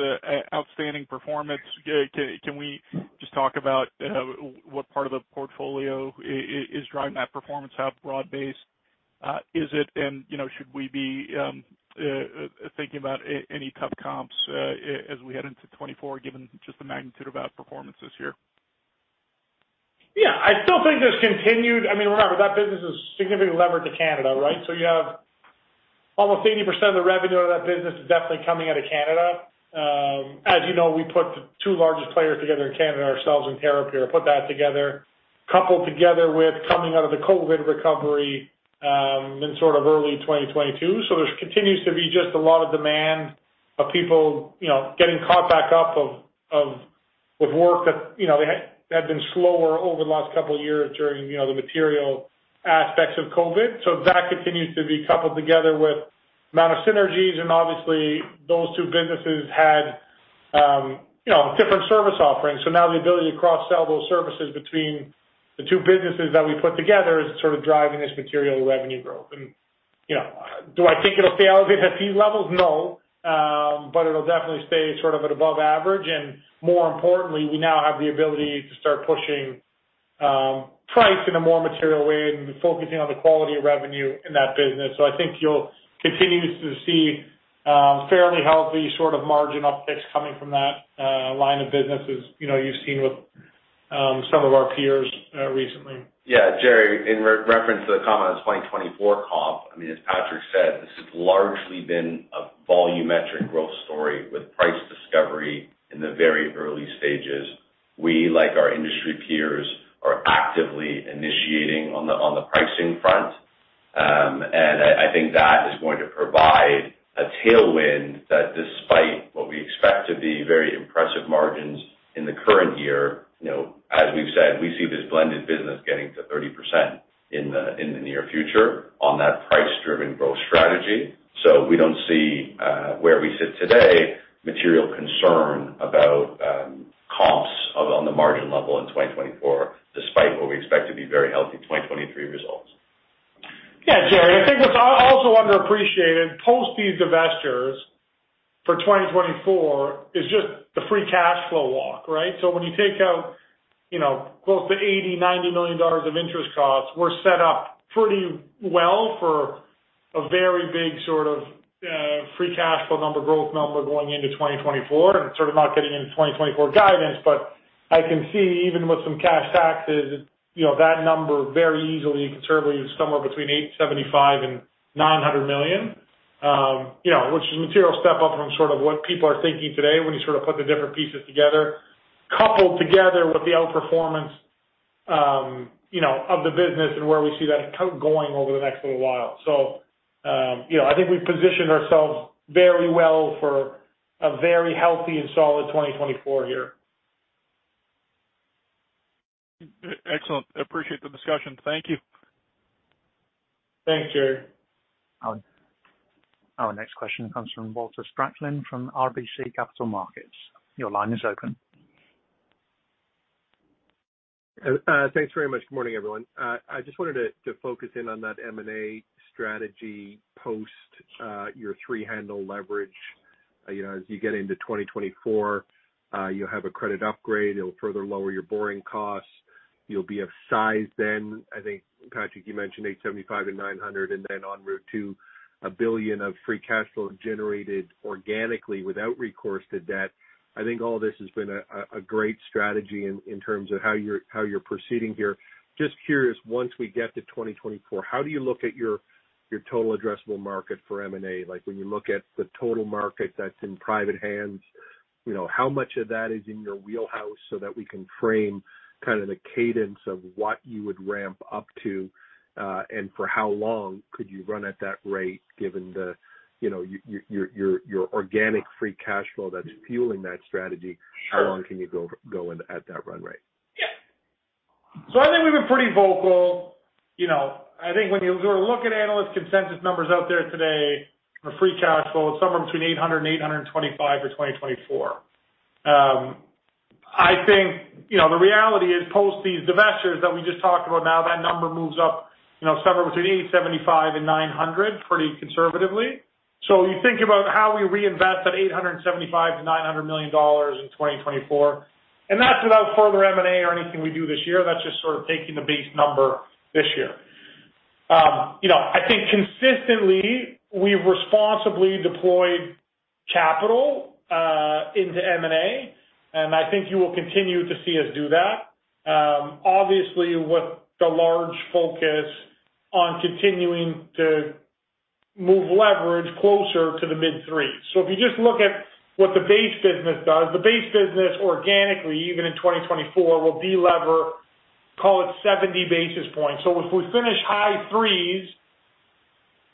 [SPEAKER 7] outstanding performance. Can we just talk about what part of the portfolio is driving that performance? How broad-based is it? You know, should we be thinking about any tough comps as we head into 2024, given just the magnitude of our performance this year?
[SPEAKER 2] Yeah. I still think there's continued... I mean, remember, that business is significantly levered to Canada, right? You have almost 80% of the revenue out of that business is definitely coming out of Canada. As you know, we put the two largest players together in Canada, ourselves and Terrapure, put that together, coupled together with coming out of the COVID recovery in sort of early 2022. There continues to be just a lot of demand of people, you know, getting caught back up of work that, you know, they had been slower over the last couple of years during, you know, the material aspects of COVID. That continues to be coupled together with amount of synergies, and obviously those two businesses had, you know, different service offerings. Now the ability to cross-sell those services between the two businesses that we put together is sort of driving this material revenue growth. You know, do I think it'll stay out at these levels? No. It'll definitely stay sort of at above average. More importantly, we now have the ability to start pushing price in a more material way and focusing on the quality of revenue in that business. I think you'll continue to see fairly healthy sort of margin upticks coming from that line of business as, you know, you've seen with some of our peers recently.
[SPEAKER 3] Yeah, Jerry, in re-reference to the comment on 2024 comp, I mean, as Patrick said, this has largely been a volumetric growth story with price discovery in the very early stages. We, like our industry peers, are actively initiating on the pricing front. And I think that is going to provide a tailwind that despite what we expect to be very impressive margins in the current year, you know, as we've said, we see this blended business getting to 30% in the near future on that price-driven growth strategy. We don't see, where we sit today, material concern about, comps of on the margin level in 2024, despite what we expect to be very healthy 2023 results.
[SPEAKER 2] Yeah, Jerry. I think what's also underappreciated post these divestitures for 2024 is just the free cash flow walk, right? When you take out, you know, close to $80 million-$90 million of interest costs, we're set up pretty well for a very big sort of free cash flow number, growth number going into 2024 and sort of not getting into 2024 guidance, but I can see even with some cash taxes, you know, that number very easily conservatively is somewhere between $875 million-$900 million. You know, which is a material step up from sort of what people are thinking today when you sort of put the different pieces together, coupled together with the outperformance, you know, of the business and where we see that going over the next little while. You know, I think we've positioned ourselves very well for a very healthy and solid 2024 year.
[SPEAKER 7] Excellent. Appreciate the discussion. Thank you.
[SPEAKER 2] Thanks, Jerry.
[SPEAKER 1] Our next question comes from Walter Spracklin from RBC Capital Markets. Your line is open.
[SPEAKER 8] Thanks very much. Good morning, everyone. I just wanted to focus in on that M&A strategy post your 3 handle leverage. You know, as you get into 2024, you'll have a credit upgrade, it'll further lower your borrowing costs. You'll be of size then. I think, Patrick, you mentioned $875 million-$900 million and then en route to $1 billion of free cash flow generated organically without recourse to debt. I think all this has been a great strategy in terms of how you're proceeding here. Just curious, once we get to 2024, how do you look at your total addressable market for M&A? Like, when you look at the total market that's in private hands, you know, how much of that is in your wheelhouse so that we can frame kind of the cadence of what you would ramp up to, and for how long could you run at that rate given the, you know, your organic free cash flow that's fueling that strategy?
[SPEAKER 2] Sure.
[SPEAKER 8] How long can you go in at that run rate?
[SPEAKER 2] Yeah. I think we've been pretty vocal. You know, I think when you sort of look at analyst consensus numbers out there today for free cash flow, it's somewhere between $800-$825 for 2024. I think, you know, the reality is post these divestitures that we just talked about now, that number moves up, you know, somewhere between $875-$900 pretty conservatively. You think about how we reinvest that $875 million-$900 million in 2024, and that's without further M&A or anything we do this year. That's just sort of taking the base number this year. You know, I think consistently we've responsibly deployed capital into M&A, and I think you will continue to see us do that. Obviously, with the large focus on continuing to move leverage closer to the mid threes. If you just look at what the base business does, the base business organically, even in 2024, will delever, call it 70 basis points. If we finish high threes,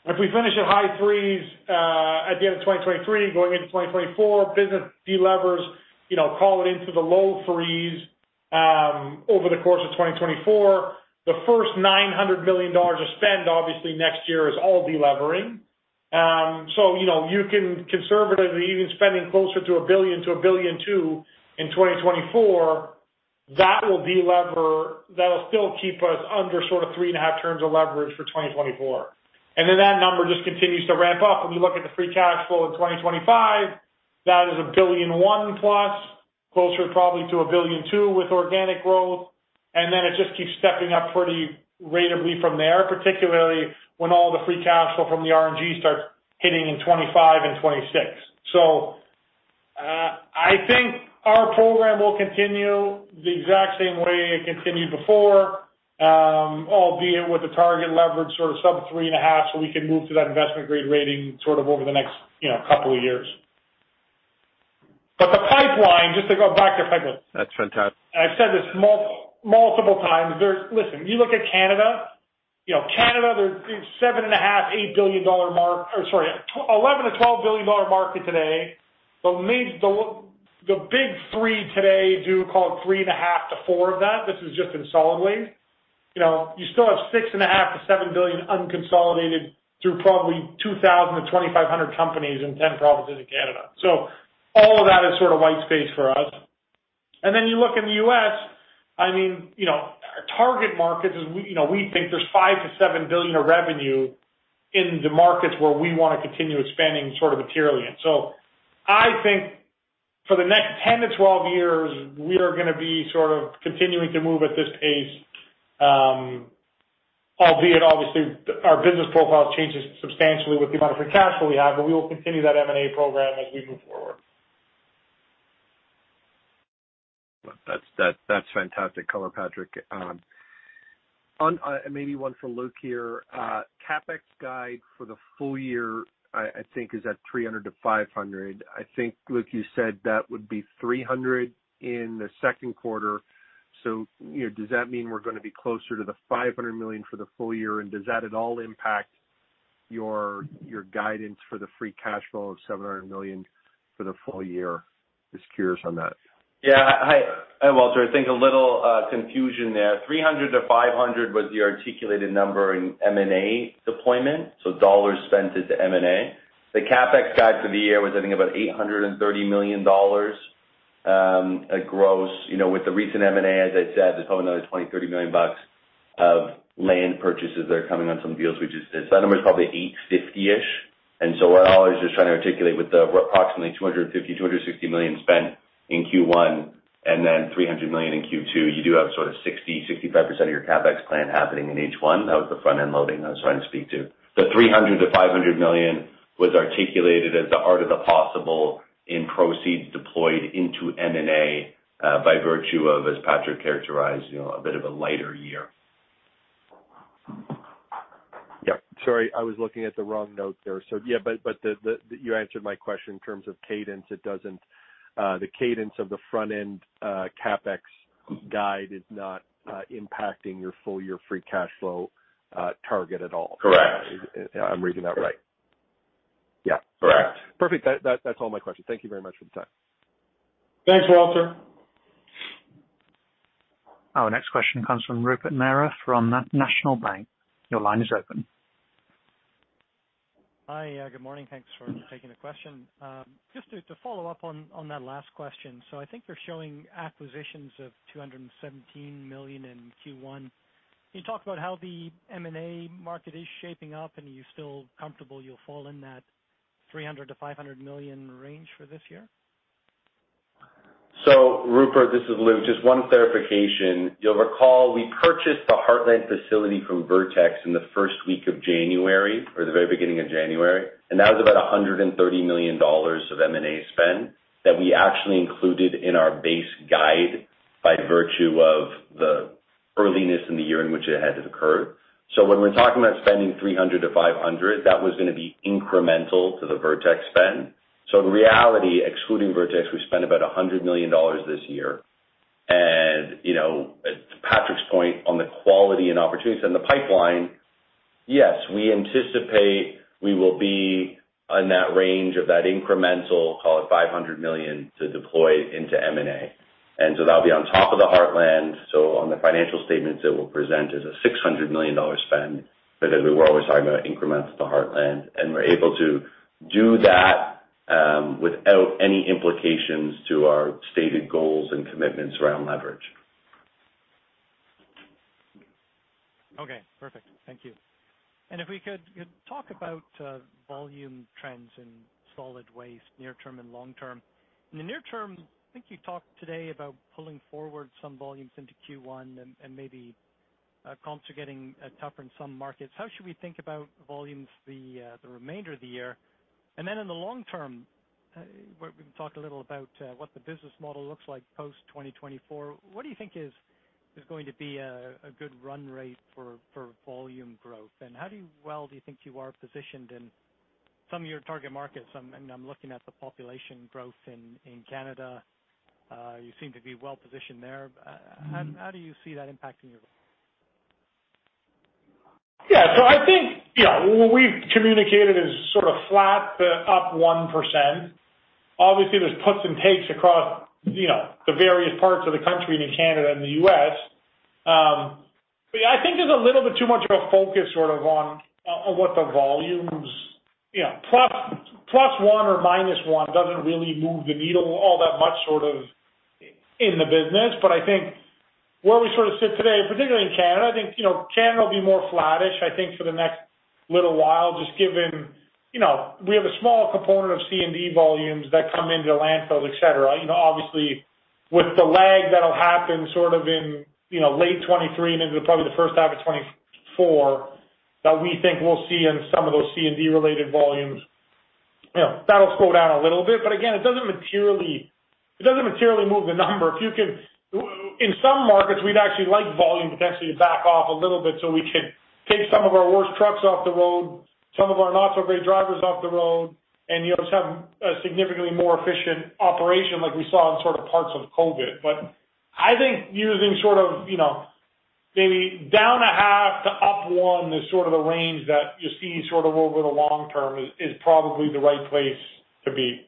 [SPEAKER 2] if we finish at high threes, at the end of 2023 going into 2024, business delevers, you know, call it into the low threes, over the course of 2024. The first $900 million of spend obviously next year is all delevering. You know, you can conservatively even spending closer to $1 billion to $1.2 billion in 2024, that will delever. That'll still keep us under sort of 3.5 turns of leverage for 2024. That number just continues to ramp up. If you look at the free cash flow in 2025, that is $1.1 billion+, closer probably to $1.2 billion with organic growth. It just keeps stepping up pretty ratably from there, particularly when all the free cash flow from the RNG starts hitting in 25 and 26. I think our program will continue the exact same way it continued before, albeit with the target leverage sort of sub 3.5, so we can move to that investment-grade rating sort of over the next, you know, couple of years. The pipeline, just to go back to pipelines.
[SPEAKER 8] That's fantastic.
[SPEAKER 2] I've said this multiple times. Listen, you look at Canada, you know, Canada, there's $7.5 billion-$8 billion or sorry, $11 billion-$12 billion market today. Leads the big three today do call it $3.5 billion-$4 billion of that. This is just in solid waste. You know, you still have $6.5 billion-$7 billion unconsolidated through probably 2,000-2,500 companies in 10 provinces in Canada. All of that is sort of white space for us. Then you look in the US, I mean, you know, target markets is we, you know, we think there's $5 billion-$7 billion of revenue in the markets where we wanna continue expanding sort of materially in. I think for the next 10-12 years, we are gonna be sort of continuing to move at this pace, albeit obviously our business profile changes substantially with the amount of free cash flow we have, but we will continue that M&A program as we move forward.
[SPEAKER 8] That's fantastic color, Patrick. On, maybe one for Luke here. CapEx guide for the full year, I think is at $300 million-$500 million. I think, Luke, you said that would be $300 million in the second quarter. You know, does that mean we're gonna be closer to the $500 million for the full year? Does that at all impact your guidance for the free cash flow of $700 million for the full year? Just curious on that.
[SPEAKER 3] Hi, Walter. I think a little confusion there. $300 million-$500 million was the articulated number in M&A deployment, so dollars spent into M&A. The CapEx guide for the year was, I think, about $830 million at gross. You know, with the recent M&A, as I said, there's probably another $20 million-$30 million of land purchases that are coming on some deals we just did. That number is probably $850 million-ish. We're always just trying to articulate with the approximately $250 million-$260 million spent in Q1. Three hundred million in Q2, you do have sort of 60%-65% of your CapEx plan happening in H1. That was the front-end loading I was trying to speak to. The $300 million-$500 million was articulated as the art of the possible in proceeds deployed into M&A, by virtue of, as Patrick characterized, you know, a bit of a lighter year.
[SPEAKER 8] Yep. Sorry, I was looking at the wrong note there. Yeah, but, you answered my question in terms of cadence. It doesn't, the cadence of the front-end CapEx guide is not impacting your full year free cash flow target at all?
[SPEAKER 3] Correct.
[SPEAKER 8] I'm reading that right. Yeah.
[SPEAKER 3] Correct.
[SPEAKER 8] Perfect. That's all my questions. Thank you very much for the time.
[SPEAKER 2] Thanks, Walter.
[SPEAKER 1] Our next question comes from Rupert Merer from National Bank Financial. Your line is open.
[SPEAKER 9] Hi. Good morning. Thanks for taking the question. Just to follow up on that last question. I think you're showing acquisitions of $217 million in Q1. Can you talk about how the M&A market is shaping up, and are you still comfortable you'll fall in that $300 million-$500 million range for this year?
[SPEAKER 3] Rupert, this is Luke. Just one clarification. You'll recall we purchased the Heartland facility from Vertex in the first week of January or the very beginning of January, and that was about $130 million of M&A spend that we actually included in our base guide by virtue of the earliness in the year in which it had to occur. When we're talking about spending $300 million-$500 million, that was gonna be incremental to the Vertex spend. In reality, excluding Vertex, we spent about $100 million this year. You know, to Patrick's point on the quality and opportunities in the pipeline, yes, we anticipate we will be in that range of that incremental, call it $500 million to deploy into M&A. That'll be on top of the Heartland, so on the financial statements it will present as a $600 million spend because we're always talking about increments to Heartland, and we're able to do that without any implications to our stated goals and commitments around leverage.
[SPEAKER 9] Okay. Perfect. Thank you. If we could talk about volume trends in solid waste near term and long term. In the near term, I think you talked today about pulling forward some volumes into Q1 and maybe comps are getting tougher in some markets. How should we think about volumes the remainder of the year? Then in the long term, we can talk a little about what the business model looks like post 2024. What do you think is going to be a good run rate for volume growth? How do you well do you think you are positioned in some of your target markets? I'm looking at the population growth in Canada. You seem to be well positioned there. How do you see that impacting your growth?
[SPEAKER 2] Yeah. I think, you know, what we've communicated is sort of flat to up 1%. Obviously, there's puts and takes across, you know, the various parts of the country and in Canada and the U.S. Yeah, I think there's a little bit too much of a focus sort of on what the volumes, you know, plus 1 or minus 1 doesn't really move the needle all that much, sort of in the business. I think where we sort of sit today, particularly in Canada, I think, you know, Canada will be more flattish, I think, for the next little while, just given, you know, we have a smaller component of C&D volumes that come into the landfills, et cetera. You know, obviously, with the lag that'll happen sort of in, you know, late 2023 and into probably the first half of 2024, that we think we'll see in some of those C&D-related volumes. You know, that'll slow down a little bit, but again, it doesn't materially move the number. In some markets, we'd actually like volume potentially to back off a little bit so we could take some of our worst trucks off the road, some of our not-so-great drivers off the road, and just have a significantly more efficient operation like we saw in sort of parts of COVID. I think using sort of, you know, maybe down a half to up 1 is sort of the range that you're seeing sort of over the long term is probably the right place to be.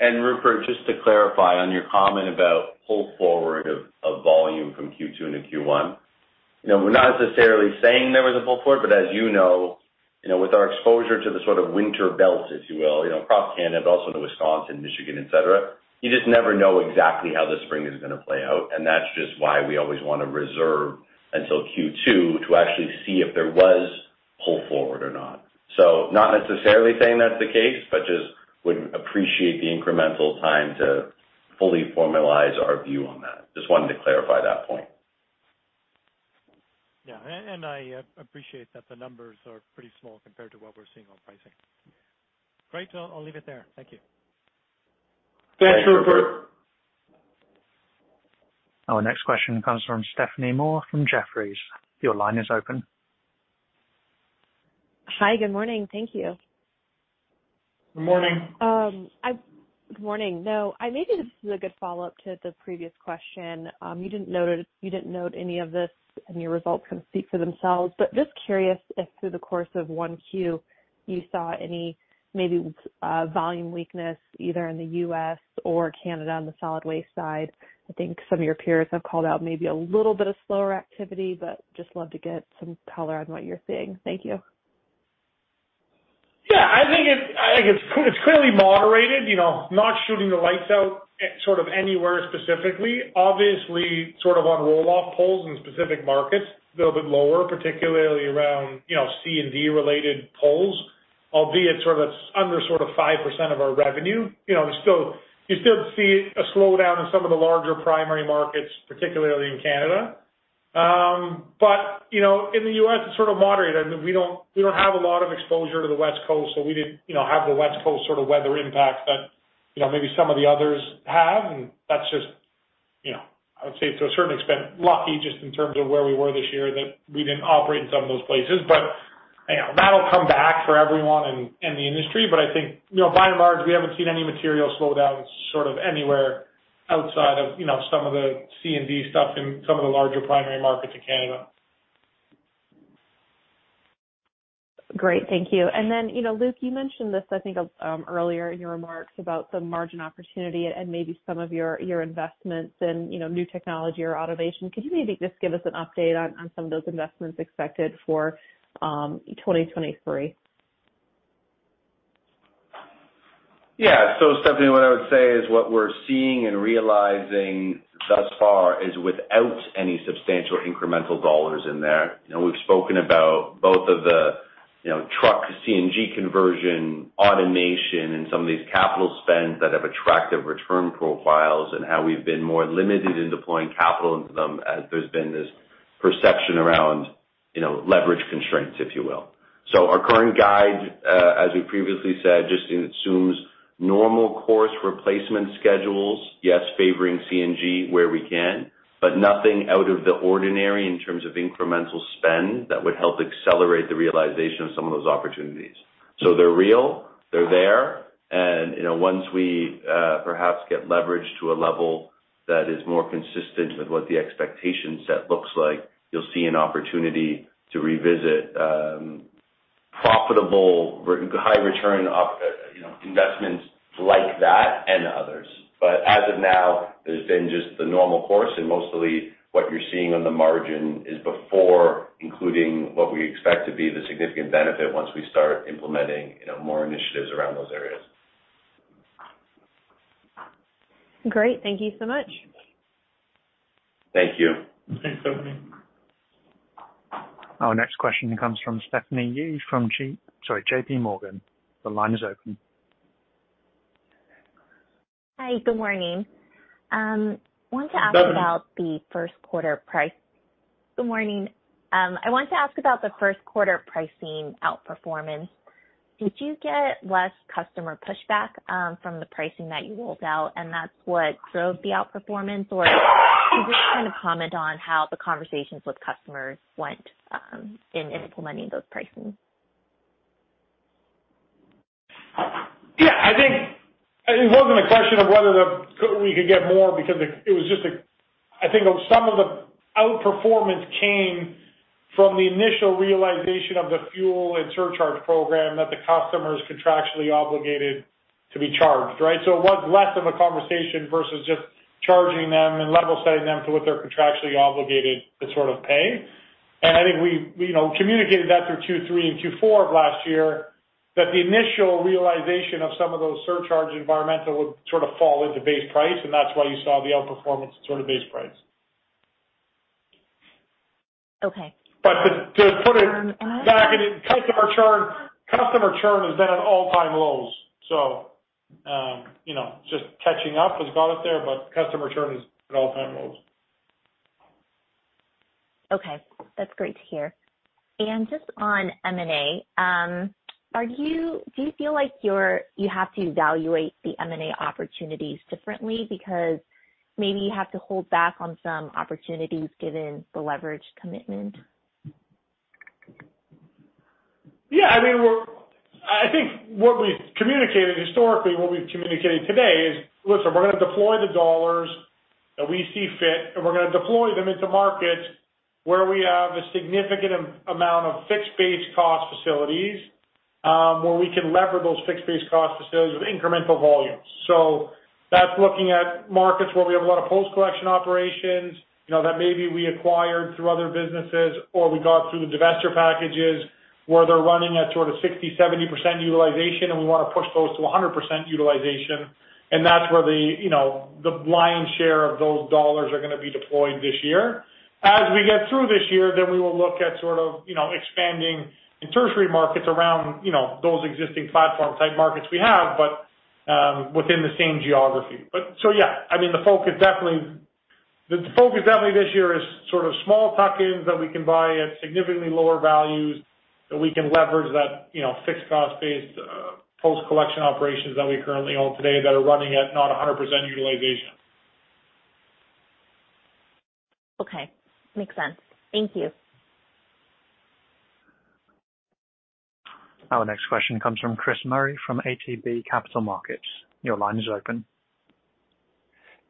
[SPEAKER 3] Rupert, just to clarify on your comment about pull forward of volume from Q2 into Q1. You know, we're not necessarily saying there was a pull forward, but as you know, with our exposure to the sort of winter belt, if you will, you know, across Canada, but also into Wisconsin, Michigan, et cetera, you just never know exactly how the spring is gonna play out, and that's just why we always wanna reserve until Q2 to actually see if there was pull forward or not. Not necessarily saying that's the case, but just would appreciate the incremental time to fully formalize our view on that. Just wanted to clarify that point.
[SPEAKER 9] Yeah. I appreciate that the numbers are pretty small compared to what we're seeing on pricing. Great. I'll leave it there. Thank you.
[SPEAKER 2] Thanks, Rupert.
[SPEAKER 1] Our next question comes from Stephanie Moore from Jefferies. Your line is open.
[SPEAKER 10] Hi. Good morning. Thank you.
[SPEAKER 2] Good morning.
[SPEAKER 10] Good morning. This is a good follow-up to the previous question. You didn't note any of this, and your results kind of speak for themselves, just curious if through the course of 1Q, you saw any maybe volume weakness either in the U.S. or Canada on the solid waste side. I think some of your peers have called out maybe a little bit of slower activity, just love to get some color on what you're seeing. Thank you.
[SPEAKER 2] I think it's clearly moderated, you know, not shooting the lights out at sort of anywhere specifically. Obviously, sort of on roll-off pulls in specific markets, a little bit lower, particularly around, you know, C&D-related pulls. Albeit sort of it's under sort of 5% of our revenue. You know, you still see a slowdown in some of the larger primary markets, particularly in Canada. In the US it's sort of moderate. I mean, we don't, we don't have a lot of exposure to the West Coast, so we didn't, you know, have the West Coast sort of weather impact that, you know, maybe some of the others have. That's just, you know, I would say to a certain extent, lucky just in terms of where we were this year, that we didn't operate in some of those places. You know, that'll come back for everyone in the industry. I think, you know, by and large, we haven't seen any material slowdowns sort of anywhere outside of, you know, some of the C&D stuff in some of the larger primary markets in Canada.
[SPEAKER 10] Great. Thank you. You know, Luke, you mentioned this, I think, earlier in your remarks about the margin opportunity and maybe some of your investments in, you know, new technology or automation. Could you maybe just give us an update on some of those investments expected for 2023?
[SPEAKER 3] Yeah. Stephanie, what I would say is what we're seeing and realizing thus far is without any substantial incremental dollars in there. You know, we've spoken about both of the, you know, truck CNG conversion, automation, and some of these capital spends that have attractive return profiles and how we've been more limited in deploying capital into them as there's been this perception around, you know, leverage constraints, if you will. Our current guide, as we previously said, just assumes normal course replacement schedules, yes, favoring CNG where we can, but nothing out of the ordinary in terms of incremental spend that would help accelerate the realization of some of those opportunities. They're real, they're there, and, you know, once we perhaps get leverage to a level that is more consistent with what the expectation set looks like, you'll see an opportunity to revisit profitable high return, you know, investments like that and others. As of now, there's been just the normal course and mostly what you're seeing on the margin is before including what we expect to be the significant benefit once we start implementing, you know, more initiatives around those areas.
[SPEAKER 10] Great. Thank you so much.
[SPEAKER 3] Thank you.
[SPEAKER 2] Thanks, Stephanie.
[SPEAKER 1] Our next question comes from Stephanie Yee from sorry, JPMorgan. The line is open.
[SPEAKER 11] Hi, good morning. Good morning. I want to ask about the first quarter pricing outperformance. Did you get less customer pushback from the pricing that you rolled out, and that's what drove the outperformance? Can you just kind of comment on how the conversations with customers went, in implementing those pricing?
[SPEAKER 2] Yeah, I think it wasn't a question of whether we could get more because it was just, I think, some of the outperformance came from the initial realization of the fuel and surcharge program that the customer is contractually obligated to be charged, right? It was less of a conversation versus just charging them and level setting them to what they're contractually obligated to sort of pay. I think we, you know, communicated that through Q3 and Q4 of last year that the initial realization of some of those surcharge environmental would sort of fall into base price, and that's why you saw the outperformance at sort of base price.
[SPEAKER 11] Okay.
[SPEAKER 2] To put it back, customer churn has been at all-time lows. You know, just catching up has got us there, but customer churn is at all-time lows.
[SPEAKER 11] Okay. That's great to hear. Just on M&A, do you feel like you have to evaluate the M&A opportunities differently because maybe you have to hold back on some opportunities given the leverage commitment?
[SPEAKER 2] Yeah. I mean, I think what we've communicated historically and what we've communicated today is, listen, we're gonna deploy the dollars that we see fit, and we're gonna deploy them into markets where we have a significant amount of fixed base cost facilities, where we can lever those fixed base cost facilities with incremental volumes. That's looking at markets where we have a lot of post-collection operations, you know, that maybe we acquired through other businesses or we got through the divestiture packages, where they're running at sort of 60%, 70% utilization and we wanna push those to 100% utilization. That's where the, you know, the lion's share of those dollars are gonna be deployed this year. As we get through this year, we will look at sort of, you know, expanding in tertiary markets around, you know, those existing platform type markets we have, within the same geography. Yeah, I mean, the focus definitely this year is sort of small tuck-ins that we can buy at significantly lower values that we can leverage that, you know, fixed cost-based, post-collection operations that we currently own today that are running at not 100% utilization.
[SPEAKER 11] Okay. Makes sense. Thank you.
[SPEAKER 1] Our next question comes from Chris Murray from ATB Capital Markets. Your line is open.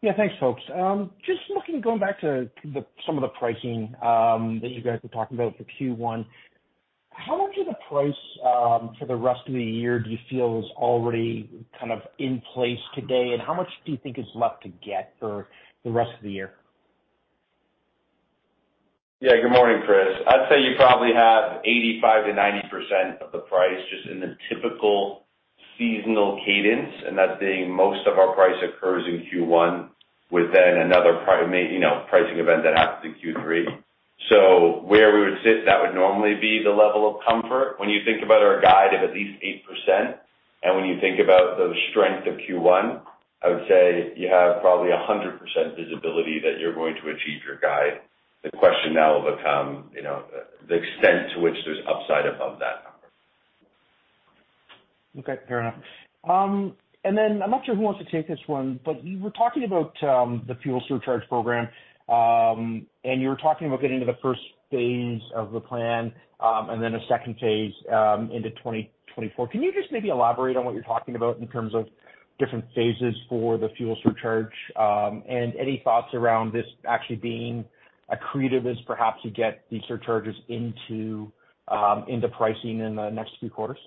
[SPEAKER 12] Yeah, thanks, folks. Going back to some of the pricing that you guys were talking about for Q1, how much of the price for the rest of the year do you feel is already kind of in place today? How much do you think is left to get for the rest of the year?
[SPEAKER 3] Good morning, Chris. I'd say you probably have 85% to 90% of the price just in the typical seasonal cadence, that being most of our price occurs in Q1 with another you know, pricing event that happens in Q3. Where we would sit, that would normally be the level of comfort. When you think about our guide of at least 8%, when you think about the strength of Q1, I would say you have probably 100% visibility that you're going to achieve your guide. The question now will become, you know, the extent to which there's upside above that number.
[SPEAKER 12] Okay, fair enough. I'm not sure who wants to take this one, but you were talking about, the fuel surcharge program, and you were talking about getting to the first phase of the plan, a second phase, into 2024. Can you just maybe elaborate on what you're talking about in terms of different phases for the fuel surcharge, and any thoughts around this actually being accretive as perhaps you get these surcharges into pricing in the next few quarters?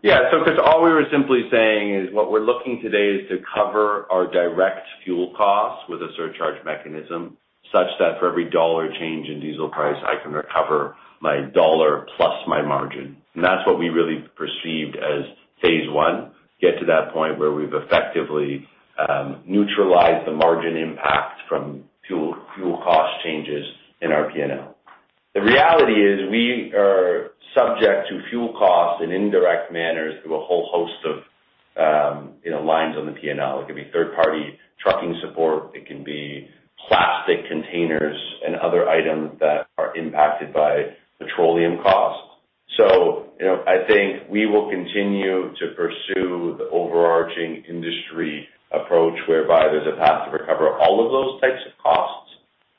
[SPEAKER 3] Chris, all we were simply saying is, what we're looking today is to cover our direct fuel costs with a surcharge mechanism, such that for every $1 change in diesel price, I can recover my $1 plus my margin. That's what we really perceived as phase one, get to that point where we've effectively neutralized the margin impact from fuel cost changes in our P&L. The reality is we are subject to fuel costs in indirect manners through a whole host of, you know, lines on the P&L. It could be third-party trucking support, it can be plastic containers and other items that are impacted by petroleum costs. You know, I think we will continue to pursue the overarching industry approach whereby there's a path to recover all of those types of costs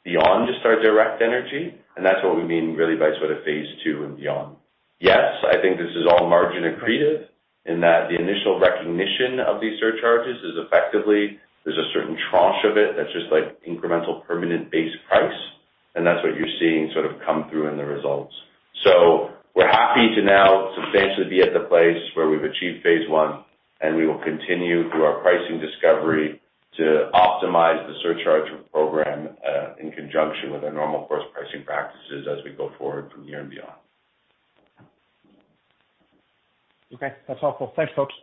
[SPEAKER 3] beyond just our direct energy, and that's what we mean really by sort of phase 2 and beyond. I think this is all margin accretive in that the initial recognition of these surcharges is effectively there's a certain tranche of it that's just like incremental permanent base price, and that's what you're seeing sort of come through in the results. We're happy to now substantially be at the place where we've achieved phase 1, and we will continue through our pricing discovery to optimize the surcharge program in conjunction with our normal course pricing practices as we go forward from here and beyond.
[SPEAKER 12] Okay. That's all folks. Thanks, folks.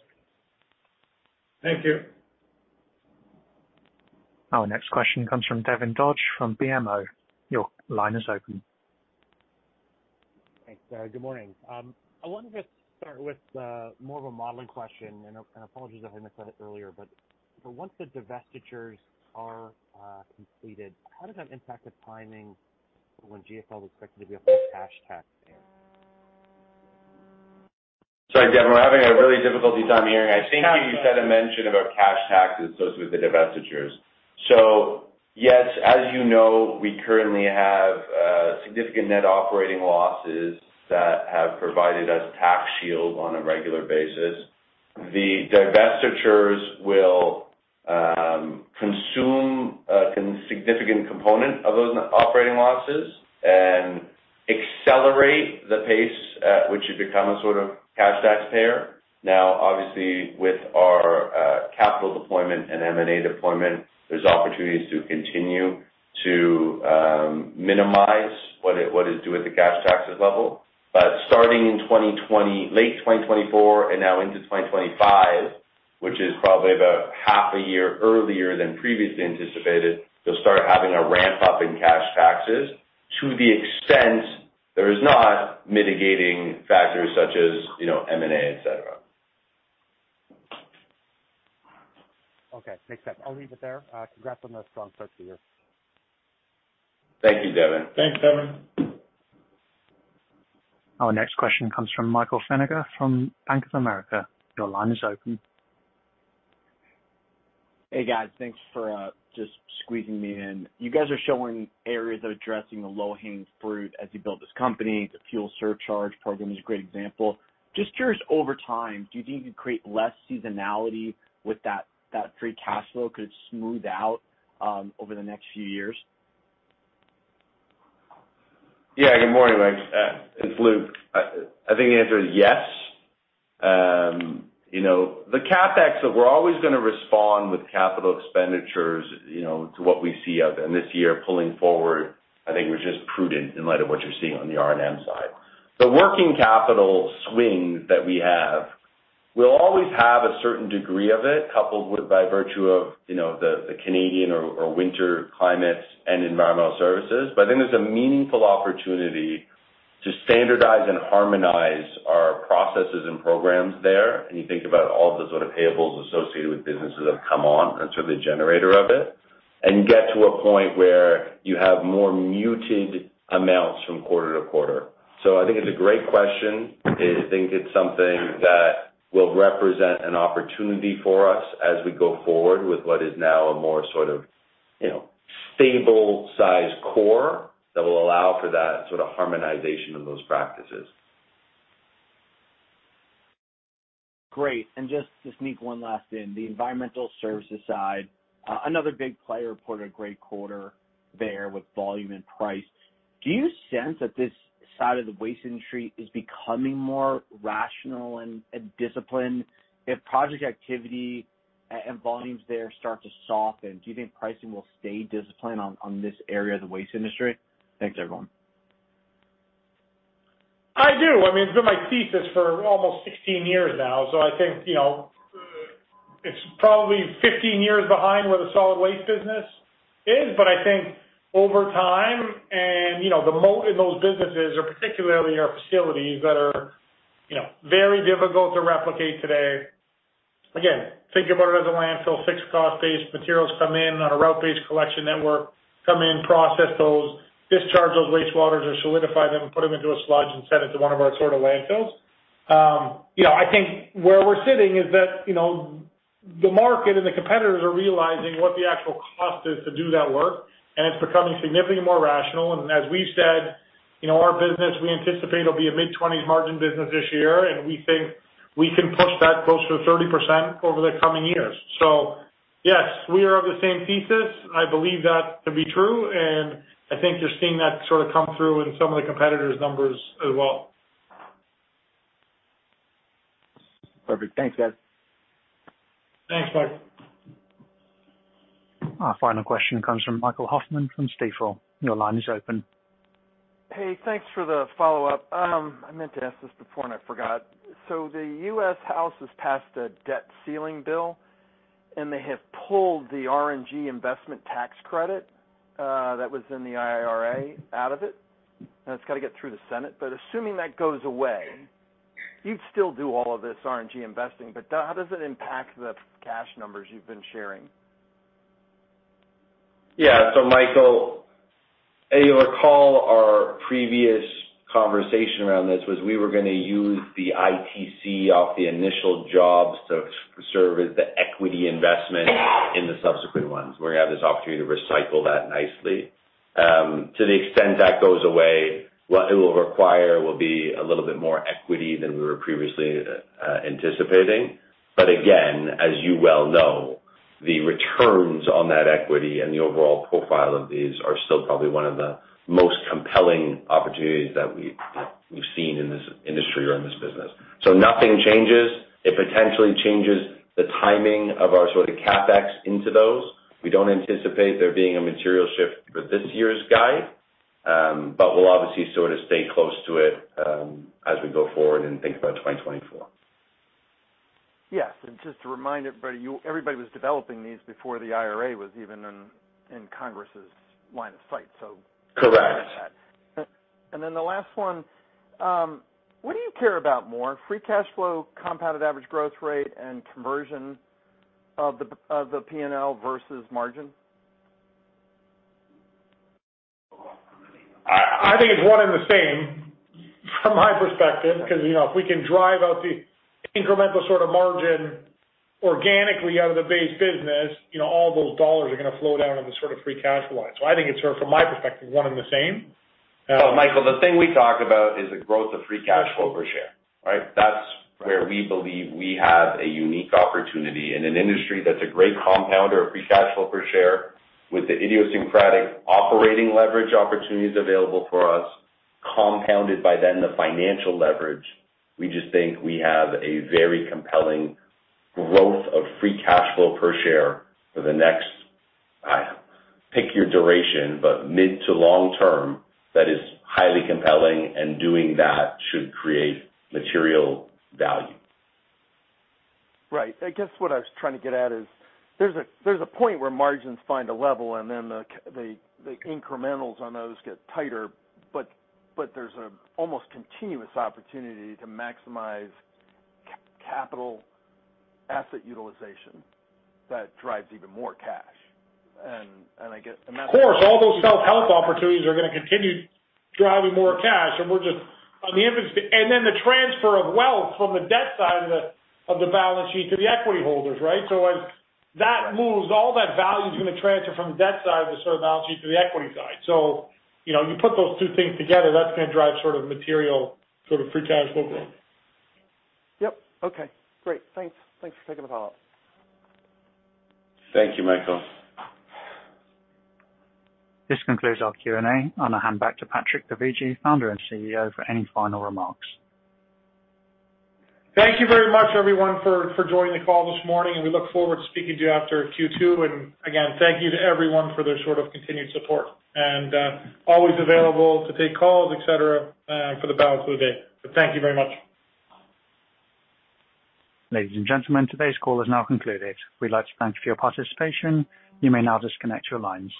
[SPEAKER 3] Thank you.
[SPEAKER 1] Our next question comes from Devin Dodge from BMO. Your line is open.
[SPEAKER 13] Thanks. Good morning. I wanted to start with more of a modeling question and apologies if I missed it earlier. Once the divestitures are completed, how does that impact the timing for when GFL is expected to be a cash tax payer?
[SPEAKER 3] Sorry, Devin, we're having a really difficulty time hearing. I think you said a mention about cash taxes associated with the divestitures. Yes, as you know, we currently have significant net operating losses that have provided us tax shield on a regular basis. The divestitures will consume a significant component of those operating losses and accelerate the pace at which you become a sort of cash taxpayer. Now, obviously, with our capital deployment and M&A deployment, there's opportunities to continue to minimize what is due at the cash taxes level. Starting in late 2024 and now into 2025, which is probably about half a year earlier than previously anticipated, you'll start having a ramp-up in cash taxes to the extent there is not mitigating factors such as, you know, M&A, et cetera.
[SPEAKER 13] Okay. Makes sense. I'll leave it there. Congrats on the strong start to the year.
[SPEAKER 3] Thank you, Devin.
[SPEAKER 12] Thanks, Devin.
[SPEAKER 1] Our next question comes from Michael Feniger from Bank of America. Your line is open.
[SPEAKER 14] Hey, guys. Thanks for just squeezing me in. You guys are showing areas of addressing the low-hanging fruit as you build this company. The fuel surcharge program is a great example. Just curious over time, do you think you could create less seasonality with that free cash flow could smooth out over the next few years?
[SPEAKER 3] Yeah. Good morning, Mike. It's Luke. I think the answer is yes. You know, the CapEx, we're always gonna respond with capital expenditures, you know, to what we see out there. This year, pulling forward, I think was just prudent in light of what you're seeing on the R&M side. The working capital swings that we have, we'll always have a certain degree of it, coupled with by virtue of, you know, the Canadian or winter climates and environmental services. I think there's a meaningful opportunity to standardize and harmonize our processes and programs there, and you think about all the sort of payables associated with businesses that have come on and sort of the generator of it, and get to a point where you have more muted amounts from quarter to quarter. I think it's a great question. I think it's something that will represent an opportunity for us as we go forward with what is now a more sort of, you know, stable size core that will allow for that sort of harmonization of those practices.
[SPEAKER 14] Great. Just to sneak one last in, the environmental services side, another big player reported a great quarter there with volume and price. Do you sense that this side of the waste industry is becoming more rational and disciplined? If project activity and volumes there start to soften, do you think pricing will stay disciplined on this area of the waste industry?
[SPEAKER 6] Thanks everyone.
[SPEAKER 2] I do. I mean, it's been my thesis for almost 16 years now. I think, you know, it's probably 15 years behind where the solid waste business is. I think over time and, you know, in those businesses are particularly our facilities that are, you know, very difficult to replicate today. Again, think about it as a landfill, fixed cost base materials come in on a route-based collection network, come in, process those, discharge those wastewaters or solidify them and put them into a sludge and send it to one of our sort of landfills. You know, I think where we're sitting is that, you know, the market and the competitors are realizing what the actual cost is to do that work, and it's becoming significantly more rational. As we've said, you know, our business, we anticipate will be a mid-20s margin business this year, and we think we can push that closer to 30% over the coming years. Yes, we are of the same thesis. I believe that to be true, and I think you're seeing that sort of come through in some of the competitors' numbers as well.
[SPEAKER 14] Perfect. Thanks, guys.
[SPEAKER 2] Thanks, Mike.
[SPEAKER 1] Our final question comes from Michael Hoffman from Stifel. Your line is open.
[SPEAKER 6] Hey, thanks for the follow-up. I meant to ask this before and I forgot. The U.S. House has passed a debt ceiling bill, and they have pulled the RNG investment tax credit that was in the IRA out of it. Now it's got to get through the Senate. Assuming that goes away, you'd still do all of this RNG investing, but how does it impact the cash numbers you've been sharing?
[SPEAKER 3] Michael, you'll recall our previous conversation around this was we were gonna use the ITC off the initial jobs to serve as the equity investment in the subsequent ones. We're gonna have this opportunity to recycle that nicely. To the extent that goes away, what it will require will be a little bit more equity than we were previously anticipating. Again, as you well know, the returns on that equity and the overall profile of these are still probably one of the most compelling opportunities that we've seen in this industry or in this business. Nothing changes. It potentially changes the timing of our sort of CapEx into those. We don't anticipate there being a material shift for this year's guide, but we'll obviously sort of stay close to it as we go forward and think about 2024.
[SPEAKER 6] Yes. Just to remind everybody was developing these before the IRA was even in Congress's line of sight.
[SPEAKER 3] Correct.
[SPEAKER 6] The last one, what do you care about more: free cash flow, compounded average growth rate, and conversion of the P&L versus margin?
[SPEAKER 2] I think it's one and the same from my perspective, because, you know, if we can drive out the incremental sort of margin organically out of the base business, you know, all those dollars are gonna flow down in the sort of free cash flow line. I think it's from my perspective, one and the same.
[SPEAKER 3] Michael, the thing we talk about is the growth of free cash flow per share, right? That's where we believe we have a unique opportunity in an industry that's a great compounder of free cash flow per share with the idiosyncratic operating leverage opportunities available for us, compounded by then the financial leverage. We just think we have a very compelling growth of free cash flow per share for the next, pick your duration, but mid to long term that is highly compelling and doing that should create material value.
[SPEAKER 6] Right. I guess what I was trying to get at is there's a point where margins find a level and then the incrementals on those get tighter, but there's a almost continuous opportunity to maximize capital asset utilization that drives even more cash. I get-
[SPEAKER 2] Of course, all those self-help opportunities are gonna continue driving more cash. The transfer of wealth from the debt side of the balance sheet to the equity holders, right? As that moves, all that value is gonna transfer from the debt side of the sort of balance sheet to the equity side. You know, you put those two things together, that's gonna drive sort of material, sort of free cash flow growth.
[SPEAKER 6] Yep. Okay. Great. Thanks. Thanks for taking the follow-up.
[SPEAKER 3] Thank you, Michael.
[SPEAKER 1] This concludes our Q&A. I'm gonna hand back to Patrick Dovigi, Founder and CEO, for any final remarks.
[SPEAKER 2] Thank you very much, everyone for joining the call this morning. We look forward to speaking to you after Q2. Again, thank you to everyone for their sort of continued support. Always available to take calls, et cetera, for the balance of the day. Thank you very much.
[SPEAKER 1] Ladies and gentlemen, today's call is now concluded. We'd like to thank you for your participation. You may now disconnect your lines.